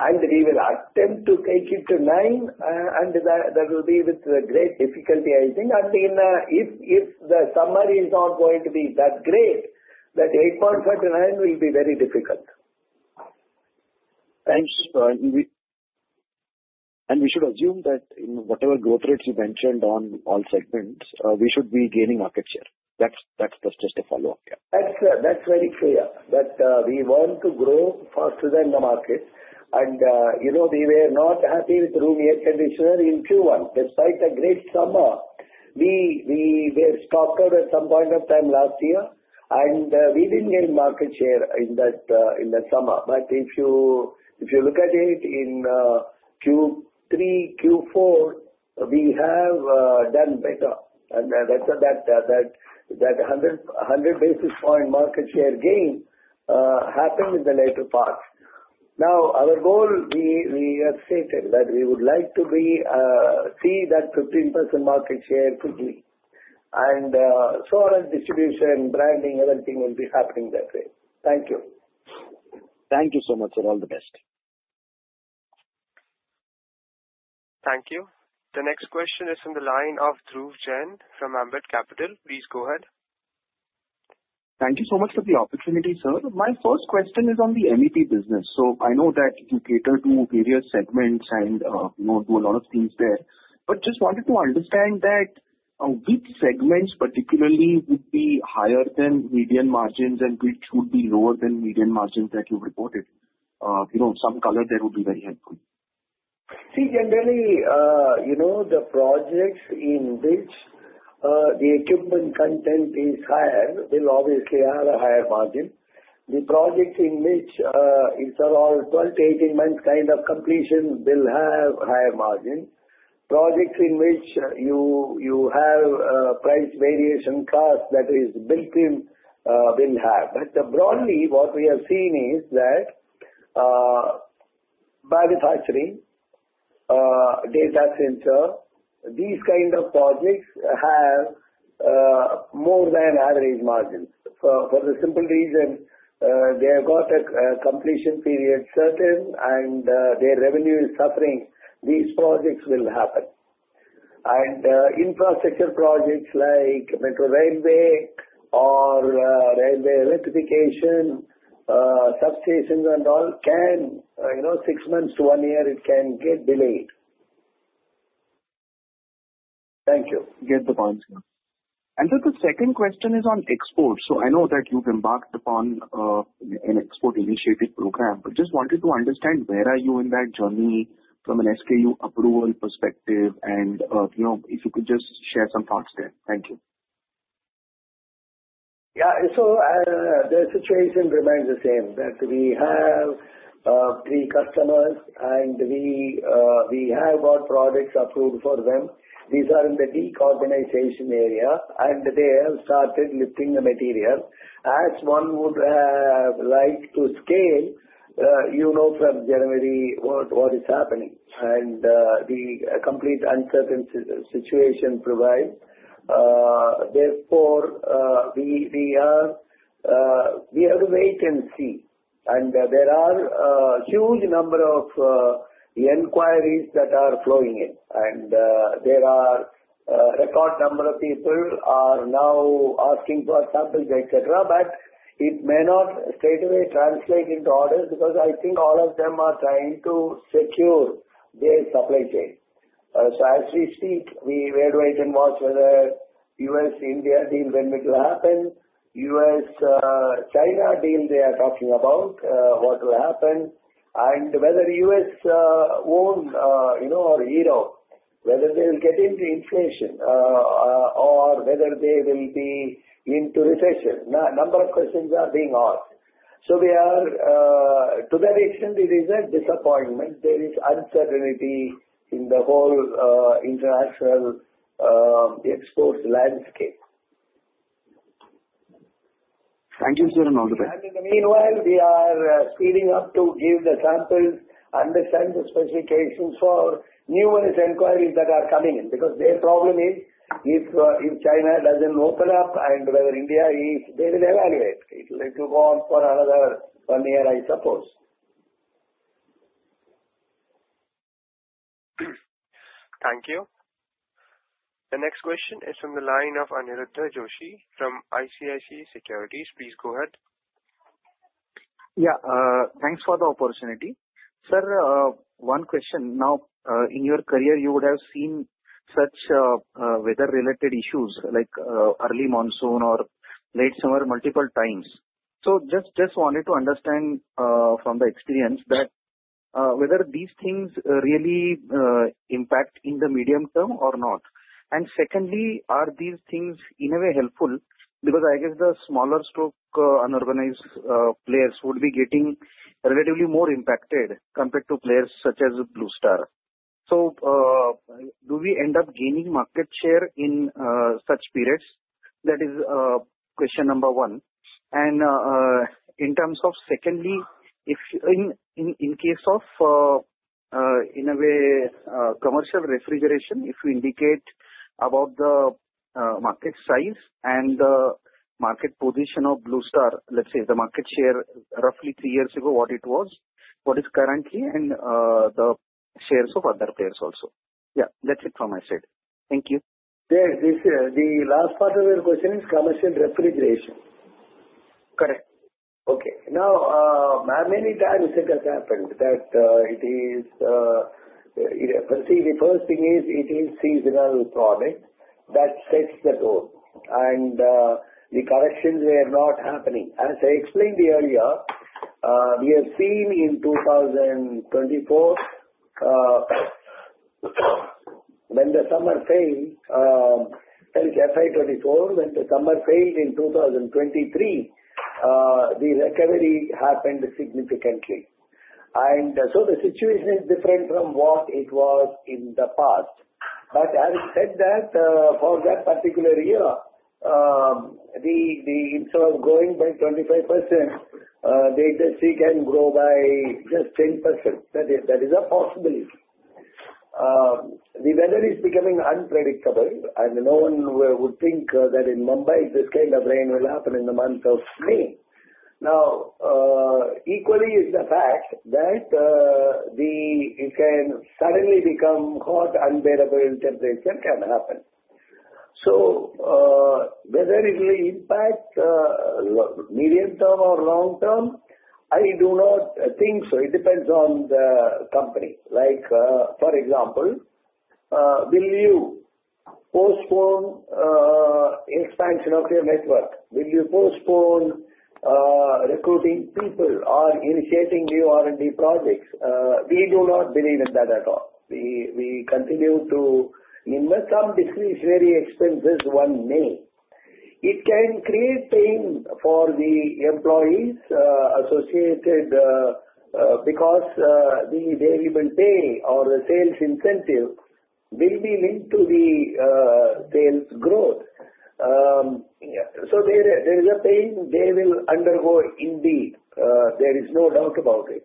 8.5%. We will attempt to take it to 9%, and that will be with great difficulty, I think. If the summary is not going to be that great, that 8.5%-9% will be very difficult. Thanks. We should assume that in whatever growth rates you mentioned on all segments, we should be gaining market share. That's just a follow-up. That's very clear that we want to grow faster than the market. You know, we were not happy with room air conditioner in Q1. Despite a great summer, we were stocked out at some point of time last year, and we didn't gain market share in that summer. If you look at it in Q3-Q4, we have done better. That 100 basis point market share gain happened in the later parts. Now, our goal, we have stated that we would like to see that 15% market share quickly. Our distribution, branding, everything will be happening that way. Thank you. Thank you so much. All the best. Thank you. The next question is from the line of Dhruv Chen from Ambit Capital. Please go ahead. Thank you so much for the opportunity, sir. My first question is on the MEP business. I know that you cater to various segments and do a lot of things there, but just wanted to understand that which segments particularly would be higher than median margins and which would be lower than median margins that you reported. You know, some color there would be very helpful. See, generally, you know, the projects in which the equipment content is higher will obviously have a higher margin. The projects in which it's around 12-18 months kind of completion will have higher margin. Projects in which you have price variation cost that is built-in will have. But broadly, what we have seen is that manufacturing, data center, these kind of projects have more than average margins for the simple reason they have got a completion period certain and their revenue is suffering. These projects will happen. Infrastructure projects like metro railway or railway electrification, substations and all can, you know, six months-one year, it can get delayed. Thank you. Get the points. The second question is on exports. I know that you've embarked upon an export initiative program, but just wanted to understand where are you in that journey from an SKU approval perspective? And you know, if you could just share some thoughts there. Thank you. Yeah. The situation remains the same that we have three customers and we have got products approved for them. These are in the deep organization area and they have started lifting the material. As one would have liked to scale, you know, from January, what is happening? The complete uncertain situation provides. Therefore, we have to wait and see. There are a huge number of inquiries that are flowing in. There are a record number of people now asking for samples, etc. It may not straightaway translate into orders because I think all of them are trying to secure their supply chain. As we speak, we wait and watch whether U.S.-India deal when will happen, U.S.-China deal they are talking about, what will happen, and whether U.S.-owned, you know, or Euro, whether they will get into inflation or whether they will be into recession. A number of questions are being asked. We are, to that extent, it is a disappointment. There is uncertainty in the whole international export landscape. Thank you, sir, and all the best. [CROSSTALK] In the meanwhile, we are speeding up to give the samples, understand the specifications for numerous inquiries that are coming in because their problem is if China does not open up and whether India is, they will evaluate. It will go on for another one year, I suppose. Thank you. The next question is from the line of Aniruddha Joshi from ICICI Securities. Please go ahead. Yeah. Thanks for the opportunity. Sir, one question. Now, in your career, you would have seen such weather-related issues like early monsoon or late summer multiple times. Just wanted to understand from the experience that whether these things really impact in the medium term or not. Secondly, are these things in a way helpful? Because I guess the smaller, unorganized players would be getting relatively more impacted compared to players such as Blue Star. Do we end up gaining market share in such periods? That is question number one. In terms of, secondly, in the case of, in a way, commercial refrigeration, if you can indicate about the market size and the market position of Blue Star, let's say the market share roughly three years ago, what it was, what it is currently, and the shares of other players also. Yeah, that's it from my side. Thank you. The last part of your question is commercial refrigeration, correct? Okay. Now, many times it has happened that it is, you know, first thing is it is a seasonal product, that sets the tone. The corrections were not happening. As I explained earlier, we have seen in 2024, when the summer failed, FY 2024, when the summer failed in 2023, the recovery happened significantly. The situation is different from what it was in the past. Having said that, for that particular year, instead of growing by 25%, they just see can grow by just 10%. That is a possibility. The weather is becoming unpredictable, and no one would think that in Mumbai, this kind of rain will happen in the month of May. Equally is the fact that it can suddenly become hot, unbearable temperature can happen. Whether it will impact medium term or long term, I do not think so. It depends on the company. Like, for example, will you postpone expansion of your network? Will you postpone recruiting people or initiating new R&D projects? We do not believe in that at all. We continue to invest some discretionary expenses one may. It can create pain for the employees associated because the variable pay or the sales incentive will be linked to the sales growth. So there is a pain they will undergo indeed. There is no doubt about it.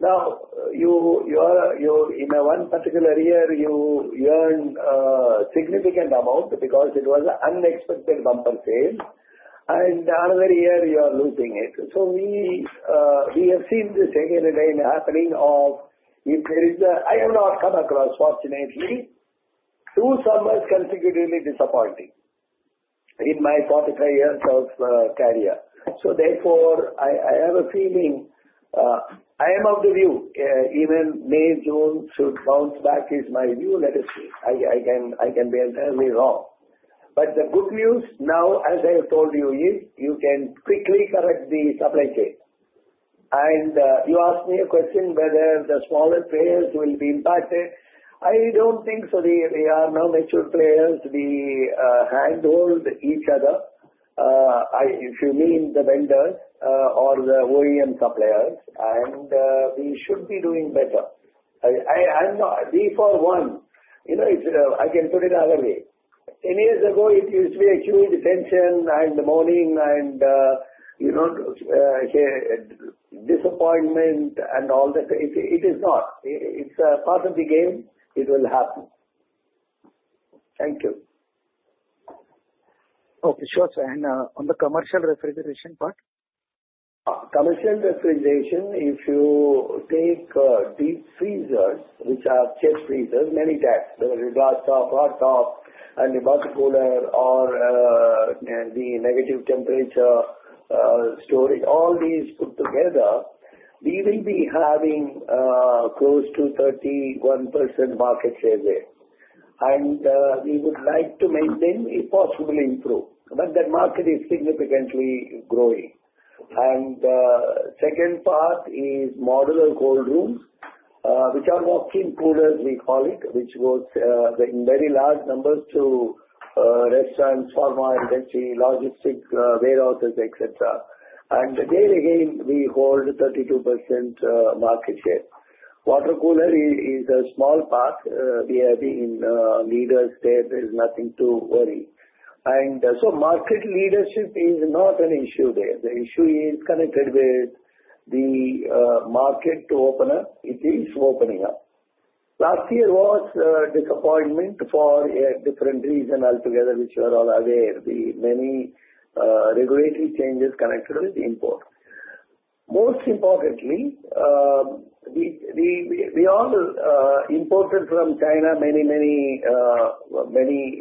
Now, in one particular year, you earn a significant amount because it was an unexpected bumper sale. And another year, you are losing it. We have seen this again and again happening. I have not come across, fortunately, two summers consecutively disappointing in my 45 years of career. Therefore, I have a feeling, I am of the view, even May-June should bounce back is my view. Let us see. I can be entirely wrong. The good news now, as I have told you, is you can quickly correct the supply chain. You asked me a question whether the smaller players will be impacted. I do not think so. They are now mature players. We handle each other, if you mean the vendors or the OEM suppliers, and we should be doing better. Before, you know, I can put it another way. Ten years ago, it used to be a huge tension in the morning and, you know, disappointment and all that. It is not. It is a part of the game. It will happen. Thank you. Okay. Sure. On the commercial refrigeration part, if you take deep freezers, which are chest freezers, many types, whether it is hot top, and you bought a cooler or the negative temperature storage, all these put together, we will be having close to 31% market share there. We would like to make them possibly improve. That market is significantly growing. The second part is modular cold rooms, which are walk-in coolers, we call it, which goes in very large numbers to restaurants, pharma, industry, logistics, warehouses, etc. There again, [CROSSTALK] we hold 32% market share. Water cooler is a small part. We have been leaders there. There is nothing to worry. Market leadership is not an issue there. The issue is connected with the market to open up. It is opening up. Last year was a disappointment for a different reason altogether, which we are all aware. The many regulatory changes connected with import. Most importantly, we all imported from China many,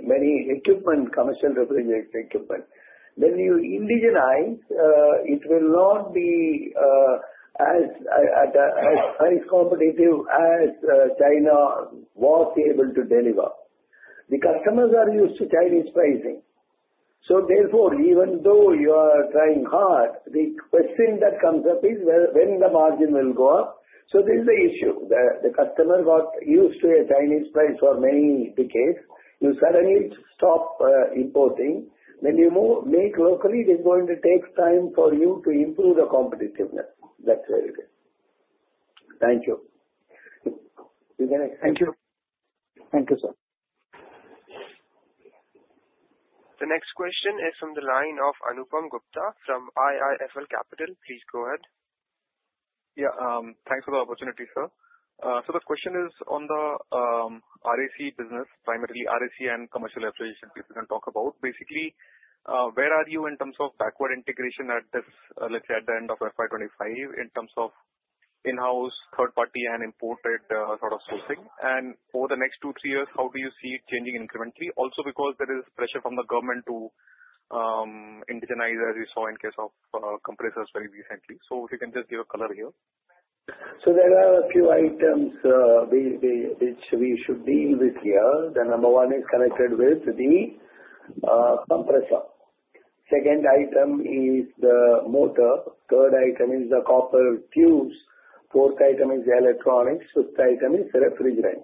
many equipment, commercial refrigeration equipment. When you indigenize, it will not be as competitive as China was able to deliver. The customers are used to Chinese pricing. Therefore, even though you are trying hard, the question that comes up is when the margin will go up. This is the issue. The customer got used to a Chinese price for many decades. You suddenly stop importing. When you make locally, it is going to take time for you to improve the competitiveness. That is where it is. Thank you. You can excel. Thank you. Thank you, sir. The next question is from the line of Anupam Gupta from IIFL Capital. Please go ahead. Yeah. Thanks for the opportunity, sir. The question is on the RAC business, primarily RAC and commercial refrigeration people can talk about. Basically, where are you in terms of backward integration at this, let's say at the end of FY 2025, in terms of in-house, third-party, and imported sort of sourcing? Over the next two-three years, how do you see it changing incrementally? Also because there is pressure from the government to indigenize, as we saw in case of compressors very recently. If you can just give a color here. There are a few items which we should deal with here. The number one is connected with the compressor. Second item is the motor. Third item is the copper tubes. Fourth item is electronics. Fifth item is refrigerant.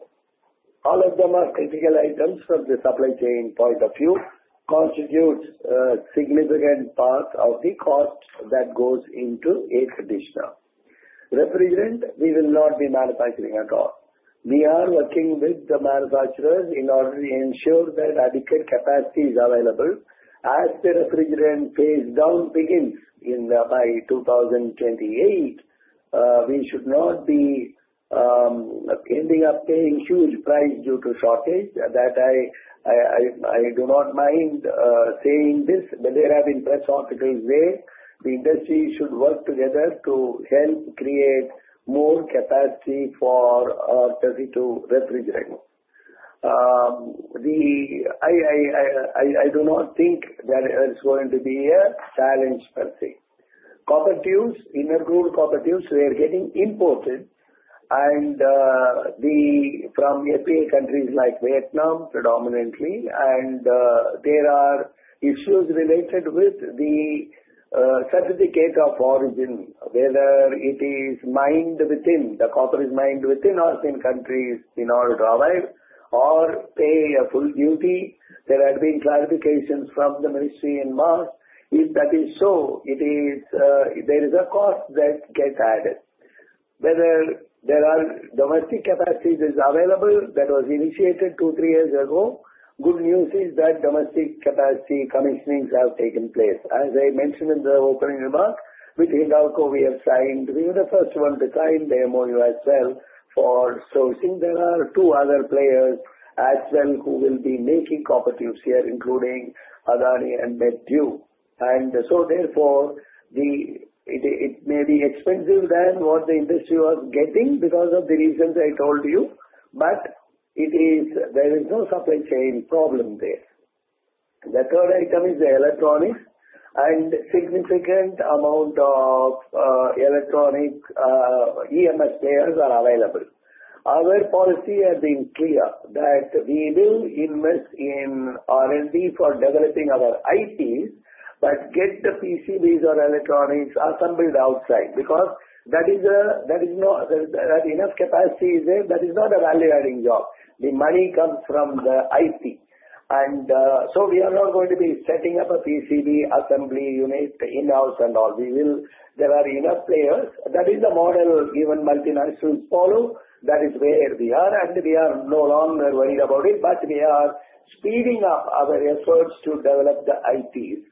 All of them are critical items from the supply chain point of view, constitute a significant part of the cost that goes into air conditioner. Refrigerant, we will not be manufacturing at all. We are working with the manufacturers in order to ensure that adequate capacity is available as the refrigerant phase down begins by 2028. We should not be ending up paying huge price due to shortage. That I do not mind saying this, but there have been press articles there. The industry should work together to help create more capacity for R32 refrigerants. I do not think that there is going to be a challenge per se. Copper tubes, inner cooled copper tubes, we are getting imported from FTA countries like Vietnam predominantly. There are issues related with the certificate of origin, whether it is mined within, the copper is mined within ASEAN countries in order to arrive or pay a full duty. There have been clarifications from the ministry in March. If that is so, there is a cost that gets added. Whether there are domestic capacities available that was initiated two, three years ago, good news is that domestic capacity commissionings have taken place. As I mentioned in the opening remark, with Hindalco, we have signed. We were the first one to sign the MoU as well for sourcing. There are two other players as well who will be making copper tubes here, including Adani and MetTube. Therefore, it may be expensive than what the industry was getting because of the reasons I told you. There is no supply chain problem there. The third item is the electronics. A significant amount of electronic EMS players are available. Our policy has been clear that we will invest in R&D for developing our ITs, but get the PCBs or electronics assembled outside because there is not enough capacity there. That is not a value-adding job. The money comes from the IT. We are not going to be setting up a PCB assembly unit in-house and all. There are enough players. That is the model given multinationals follow. That is where we are. We are no longer worried about it, but we are speeding up our efforts to develop the ITs.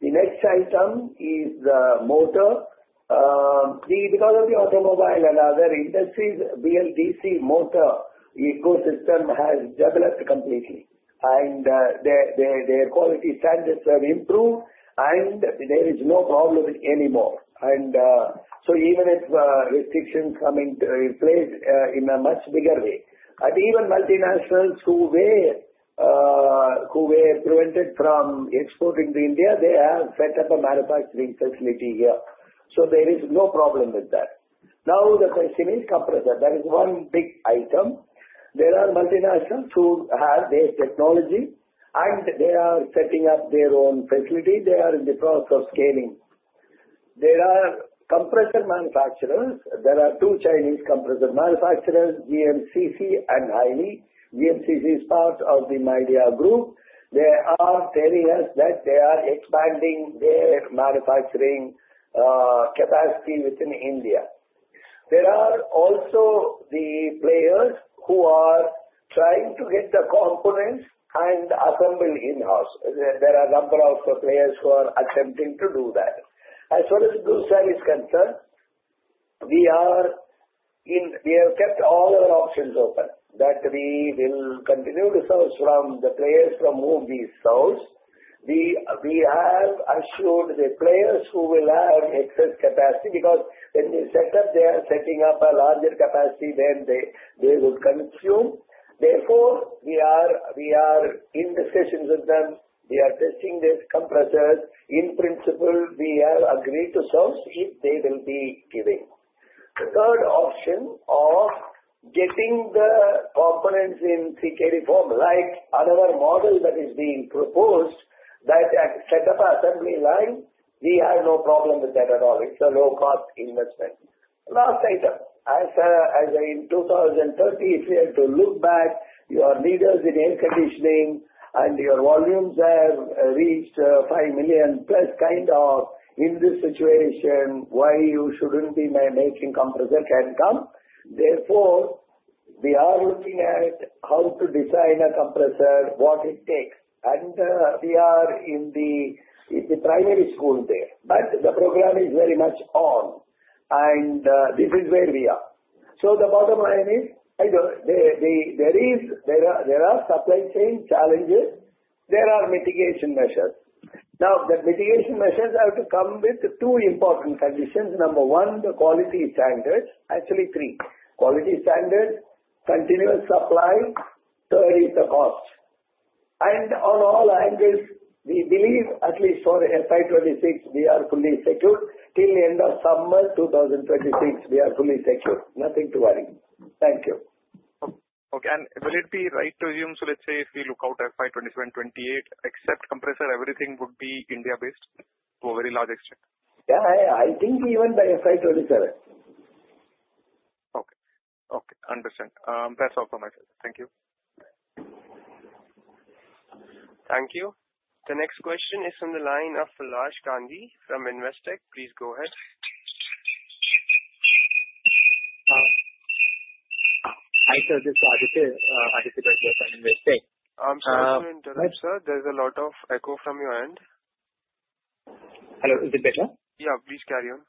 The next item is the motor. Because of the automobile and other industries, the BLDC motor ecosystem has developed completely. Their quality standards have improved, and there is no problem anymore. Even if restrictions come into place in a much bigger way, and even multinationals who were prevented from exporting to India, they have set up a manufacturing facility here. There is no problem with that. Now, the question is compressor. That is one big item. There are multinationals who have their technology, and they are setting up their own facility. They are in the process of scaling. There are compressor manufacturers. There are two Chinese compressor manufacturers, GMCC and Hyli. GMCC is part of the Midea Group. They are telling us that they are expanding their manufacturing capacity within India. There are also the players who are trying to get the components and assemble in-house. There are a number of players who are attempting to do that. As far as the good service concerns, we have kept all our options open. That we will continue to source from the players from whom we source. We have assured the players who will have excess capacity because when they set up, they are setting up a larger capacity than they would consume. Therefore, we are in discussions with them. We are testing these compressors. In principle, we have agreed to source if they will be giving. The third option of getting the components in CKD form, like another model that is being proposed, that set up an assembly line, we have no problem with that at all. It's a low-cost investment. Last item. As in 2030, if you have to look back, your leaders in air conditioning and your volumes have reached 5 million+ kind of in this situation, why you shouldn't be making compressor can come. Therefore, we are looking at how to design a compressor, what it takes. And we are in the primary school there. The program is very much on. This is where we are. The bottom line is there are supply chain challenges. There are mitigation measures. The mitigation measures have to come with two important conditions. Number one, the quality standards. Actually, three. Quality standards, continuous supply. Third is the cost. On all angles, we believe, at least for FY 2026, we are fully secured. Till the end of summer 2026, we are fully secured. Nothing to worry. Thank you. Okay. Will it be right to assume, if we look out to FY 2027-FY 2028, except compressor, everything would be India-based to a very large extent? Yeah. I think even by FY 2027. Okay. Understood. That's all from my side. Thank you. Thank you. The next question is from the line of Laj Kandhi from Investec. Please go ahead. Hi, sir. This is Ajith, participant here from Investec. I'm still in direct, sir. There's a lot of echo from your end. Hello. Is it better? Yeah. Please carry on.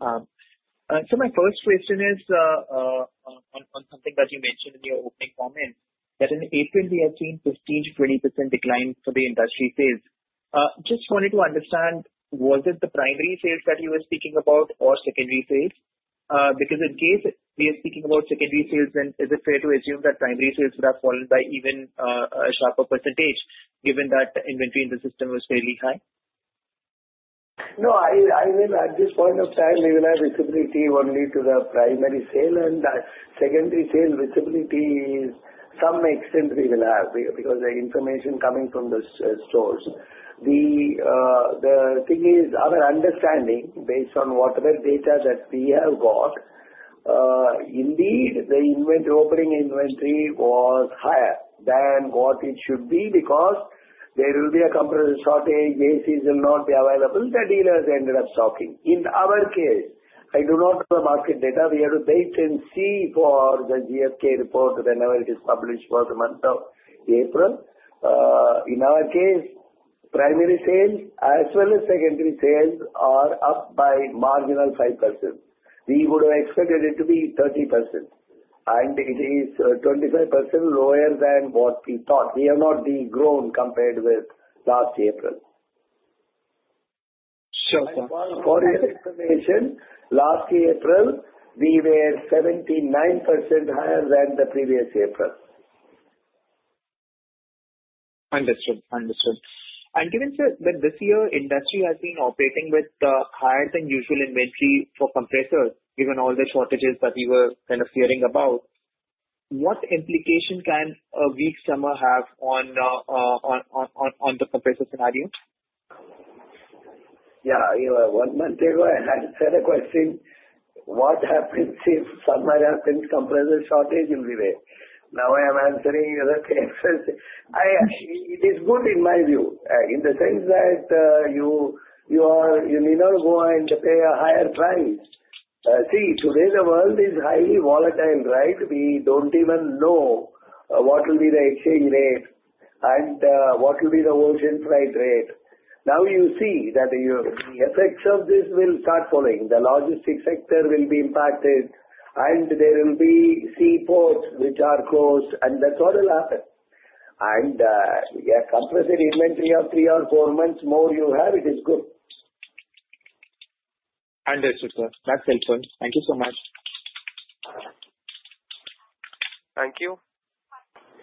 My first question is on something that you mentioned in your opening comment, that in April, we have seen 15%-20% decline for the industry sales. Just wanted to understand, was it the primary sales that you were speaking about or secondary sales? Because in case we are speaking about secondary sales, then is it fair to assume that primary sales would have fallen by even a sharper percentage, given that inventory in the system was fairly high? No. I mean, at this point of time, we will have visibility only to the primary sale. And secondary sales visibility is some extent we will have because of the information coming from the stores. The thing is our understanding, based on whatever data that we have got, indeed, the opening inventory was higher than what it should be because there will be a comparison shortage. This season will not be available. The dealers ended up stocking. In our case, I do not know the market data. We have to wait and see for the GFK report, whenever it is published, for the month of April. In our case, primary sales, as well as secondary sales, are up by marginal 5%. We would have expected it to be 30%. It is 25% lower than what we thought. We have not grown compared with last April. For your information, last April, we were 79% higher than the previous April. Understood. Understood. Given that this year industry has been operating with higher than usual inventory for compressors, given all the shortages that we were kind of hearing about, what implication can a weak summer have on the compressor scenario? Yeah. One month ago, I had said a question, "What happens if something happens, compressor shortage will be there?" Now I am answering the question. It is good in my view, in the sense that you may not go and pay a higher price. See, today the world is highly volatile, right? We do not even know what will be the exchange rate and what will be the ocean freight rate. Now you see that the effects of this will start following. The logistics sector will be impacted. There will be seaports which are closed. That is what will happen. Your compressor inventory of three-four months more you have, it is good. Understood, sir. That is helpful. Thank you so much. Thank you.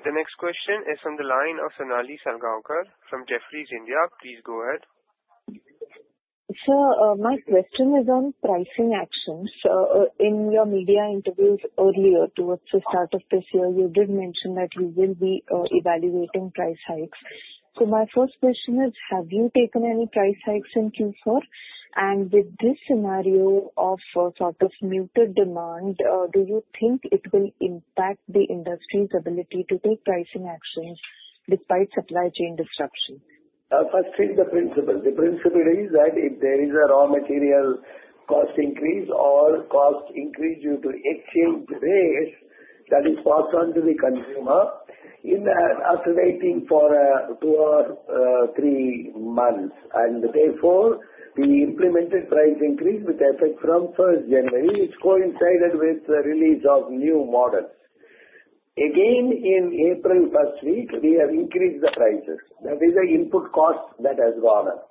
The next question is from the line of Sonali Salgaonkar from Jefferies India. Please go ahead. Sir, my question is on pricing actions. In your media interviews earlier towards the start of this year, you did mention that you will be evaluating price hikes. My first question is, have you taken any price hikes in Q4? With this scenario of sort of muted demand, do you think it will impact the industry's ability to take pricing actions despite supply chain disruption? Firstly, the principle. The principle is that if there is a raw material cost increase or cost increase due to exchange rate, that is passed on to the consumer in that alternating for two-three months. Therefore, the implemented price increase with effect from 1 January, which coincided with the release of new models. Again, in April first week, we have increased the prices. That is the input cost that has gone up.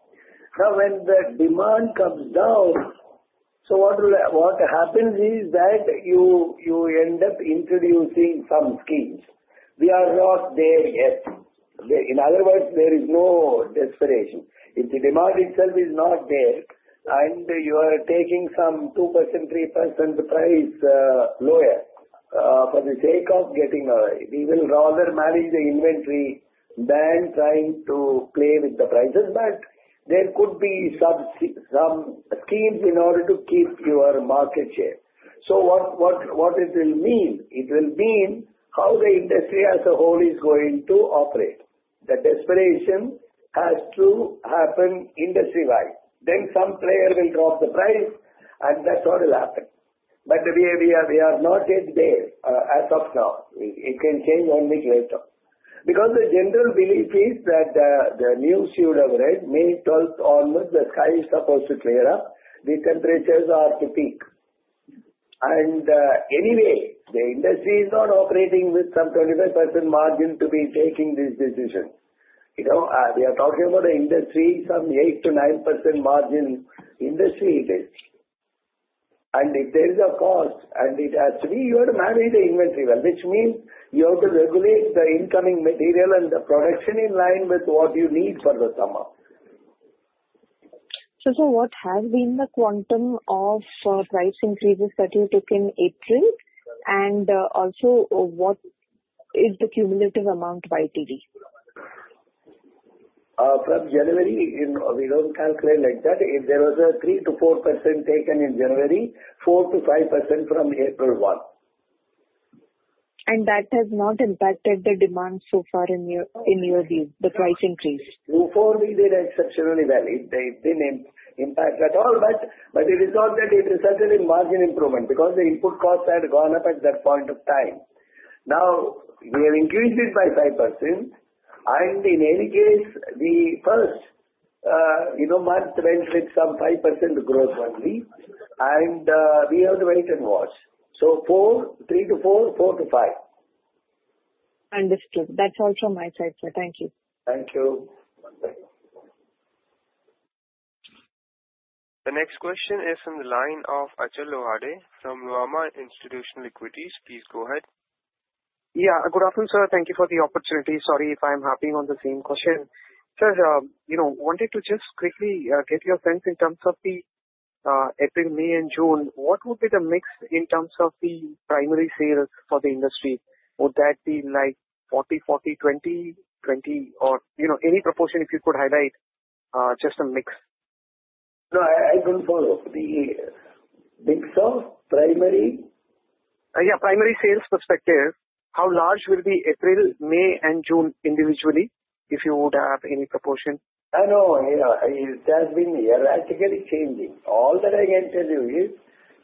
Now, when the demand comes down, what happens is that you end up introducing some schemes. We are not there yet. In other words, there is no desperation. If the demand itself is not there and you are taking some 2%-3% price lower for the sake of getting away, we will rather manage the inventory than trying to play with the prices. There could be some schemes in order to keep your market share. What it will mean? It will mean how the industry as a whole is going to operate. The desperation has to happen industry-wise. Some player will drop the price, and that's what will happen. We are not yet there as of now. It can change only later. The general belief is that the news you would have read, May 12th onwards, the sky is supposed to clear up. The temperatures are to peak. Anyway, the industry is not operating with some 25% margin to be taking these decisions. We are talking about an industry, some 8-9% margin industry it is. If there is a cost, and it has to be, you have to manage the inventory well, which means you have to regulate the incoming material and the production in line with what you need for the summer. Sir, what has been the quantum of price increases that you took in April? Also, what is the cumulative amount by today? From January, we don't calculate like that. If there was a 3%-4% taken in January, 4%-5% from April 1. That has not impacted the demand so far in your view, the price increase? So far, we did exceptionally well. It didn't impact at all. But it is not that it resulted in margin improvement because the input costs had gone up at that point of time. Now, we have increased it by 5%. In any case, the first month went with some 5% growth only. We have to wait and watch. So 3%-4%, 4%-%5. Understood. That's all from my side, sir. Thank you. Thank you. The next question is from the line of Achal Lohade from Nuvama Institutional Equities. Please go ahead. Yeah. Good afternoon, sir. Thank you for the opportunity. Sorry if I'm hopping on the same question. Sir, wanted to just quickly get your sense in terms of the April-June. What would be the mix in terms of the primary sales for the industry? Would that be like 40-40-20, 20, or any proportion if you could highlight just a mix? No, I don't follow. The mix of primary? Yeah. Primary sales perspective, how large will be April-June individually if you would have any proportion? No, it has been erratically changing. All that I can tell you is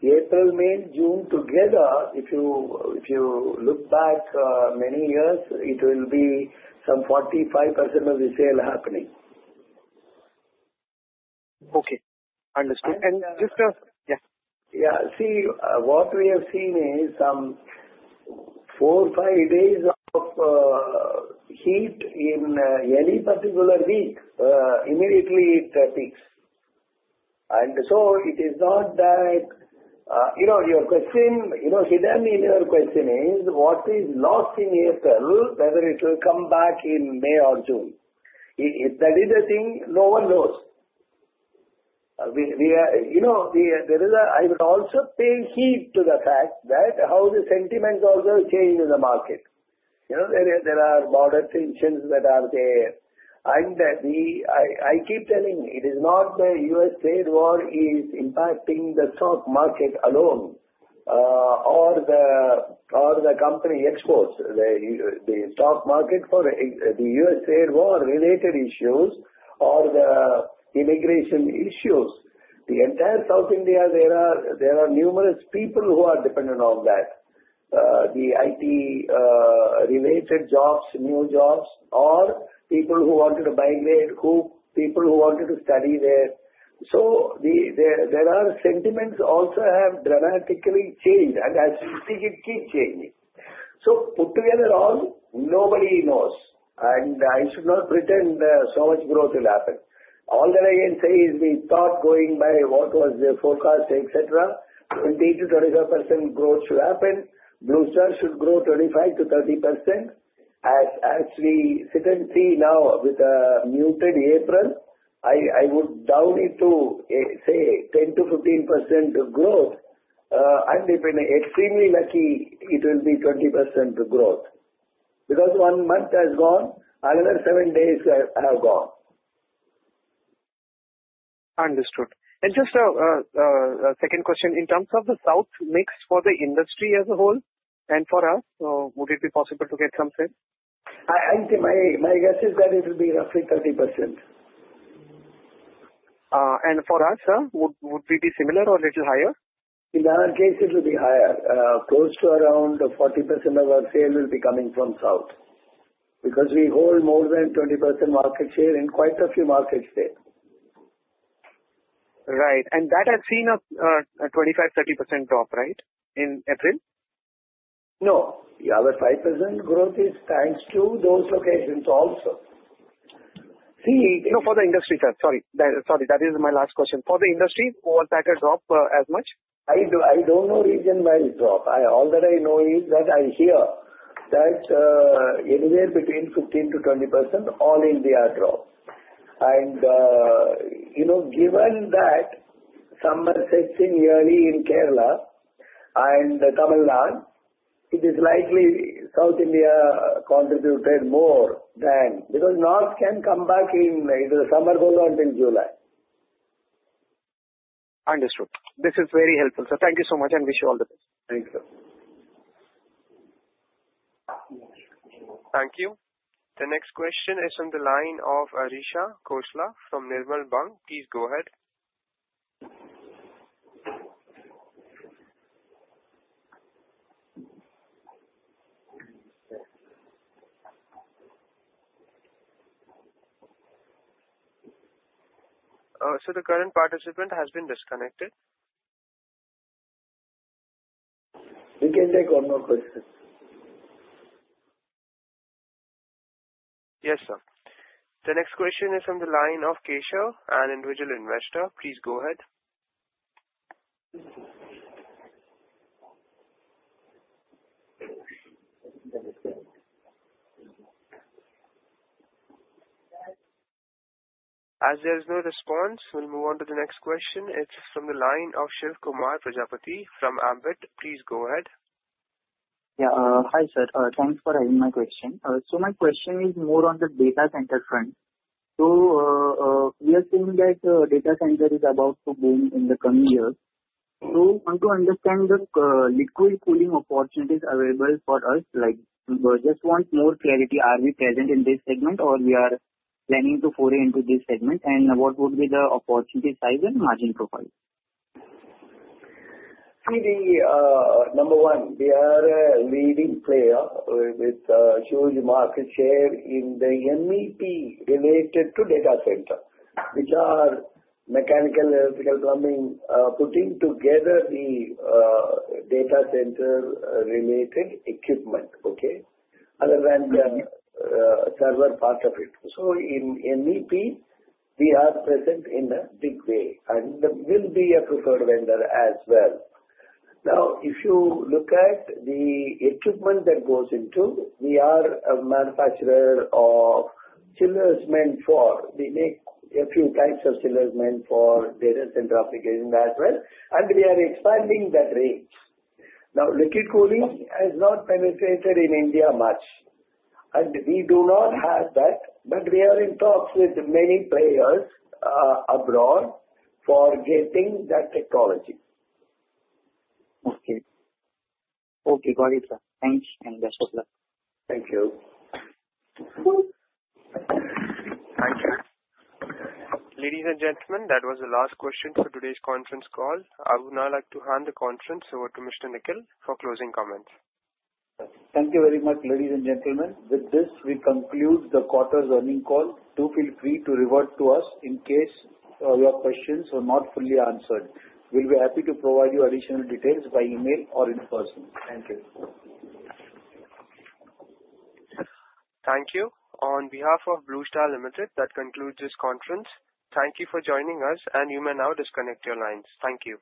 April-June together, if you look back many years, it will be some 45% of the sale happening. Okay. Understood. Just a yes. [CROSSTALK] Yeah. See, what we have seen is some four-five days of heat in any particular week. Immediately, it peaks. It is not that your question, hidden in your question is, what is lost in April, whether it will come back in May-June. That is a thing no one knows. I would also pay heed to the fact that how the sentiment also changes in the market. There are border tensions that are there. I keep telling you, it is not the U.S. trade war is impacting the stock market alone or the company exports. The stock market for the U.S. trade war-related issues or the immigration issues. The entire South India, there are numerous people who are dependent on that. The IT-related jobs, new jobs, or people who wanted to migrate, people who wanted to study there. There are sentiments also have dramatically changed. As you see, it keeps changing. Put together all, nobody knows. I should not pretend so much growth will happen. All that I can say is we thought going by what was the forecast, etc., 20%-25% growth should happen. Blue Star should grow 25%-30%. As we sit and see now with a muted April, I would doubt it to say 10%-15% growth. If we're extremely lucky, it will be 20% growth. Because one month has gone, another seven days have gone. Understood. Just a second question. In terms of the south mix for the industry as a whole and for us, would it be possible to get some sense? My guess is that it will be roughly 30%. For us, sir, would it be similar or a little higher? In our case, it will be higher. Close to around 40% of our sale will be coming from south because we hold more than 20% market share in quite a few markets there. Right. That has seen a 25%-30% drop, right, in April? No. The other 5% growth is thanks to those locations also. See, for the industry term, sorry. Sorry. That is my last question. For the industry, was that a drop as much? I don't know region-wide drop. All that I know is that I hear that anywhere between 15%-20% all India drop. And given that summer sets in yearly in Kerala and Tamil Nadu, it is likely South India contributed more than because north can come back in either the summer goes on till July. Understood. This is very helpful, sir. Thank you so much. I wish you all the best. Thank you. Thank you. The next question is from the line of Arisha Khosla from Nirmal Bang. Please go ahead. So the current participant has been disconnected. You can take one more question. Yes, sir. The next question is from the line of Keshav, an individual investor. Please go ahead. As there is no response, we'll move on to the next question. It's from the line of Shivkumar Prajapati from Ambit. Please go ahead. Yeah. Hi, sir. Thanks for having my question. My question is more on the data center front. We are seeing that data center is about to boom in the coming years. To understand the liquid cooling opportunities available for us, we just want more clarity. Are we present in this segment, or are we planning to foray into this segment? What would be the opportunity size and margin profile? See, number one, we are a leading player with a huge market share in the MEP related to data center, which are mechanical, electrical, plumbing, putting together the data center-related equipment, other than the server part of it. In MEP, we are present in a big way. We will be a preferred vendor as well. Now, if you look at the equipment that goes into, we are a manufacturer of chillers meant for, we make a few types of chillers meant for data center applications as well. We are expanding that range. Now, liquid cooling has not penetrated in India much. We do not have that. We are in talks with many players abroad for getting that technology. Okay. Okay. Got it, sir. Thanks. And best of luck. Thank you. Thank you. Ladies and gentlemen, that was the last question for today's conference call. I would now like to hand the conference over to Mr. Nikhil for closing comments. Thank you very much, ladies and gentlemen. With this, we conclude the quarter's earning call. Do feel free to revert to us in case your questions were not fully answered. We'll be happy to provide you additional details by email or in person. Thank you. Thank you. On behalf of Blue Star Limited, that concludes this conference. Thank you for joining us, and you may now disconnect your lines. Thank you.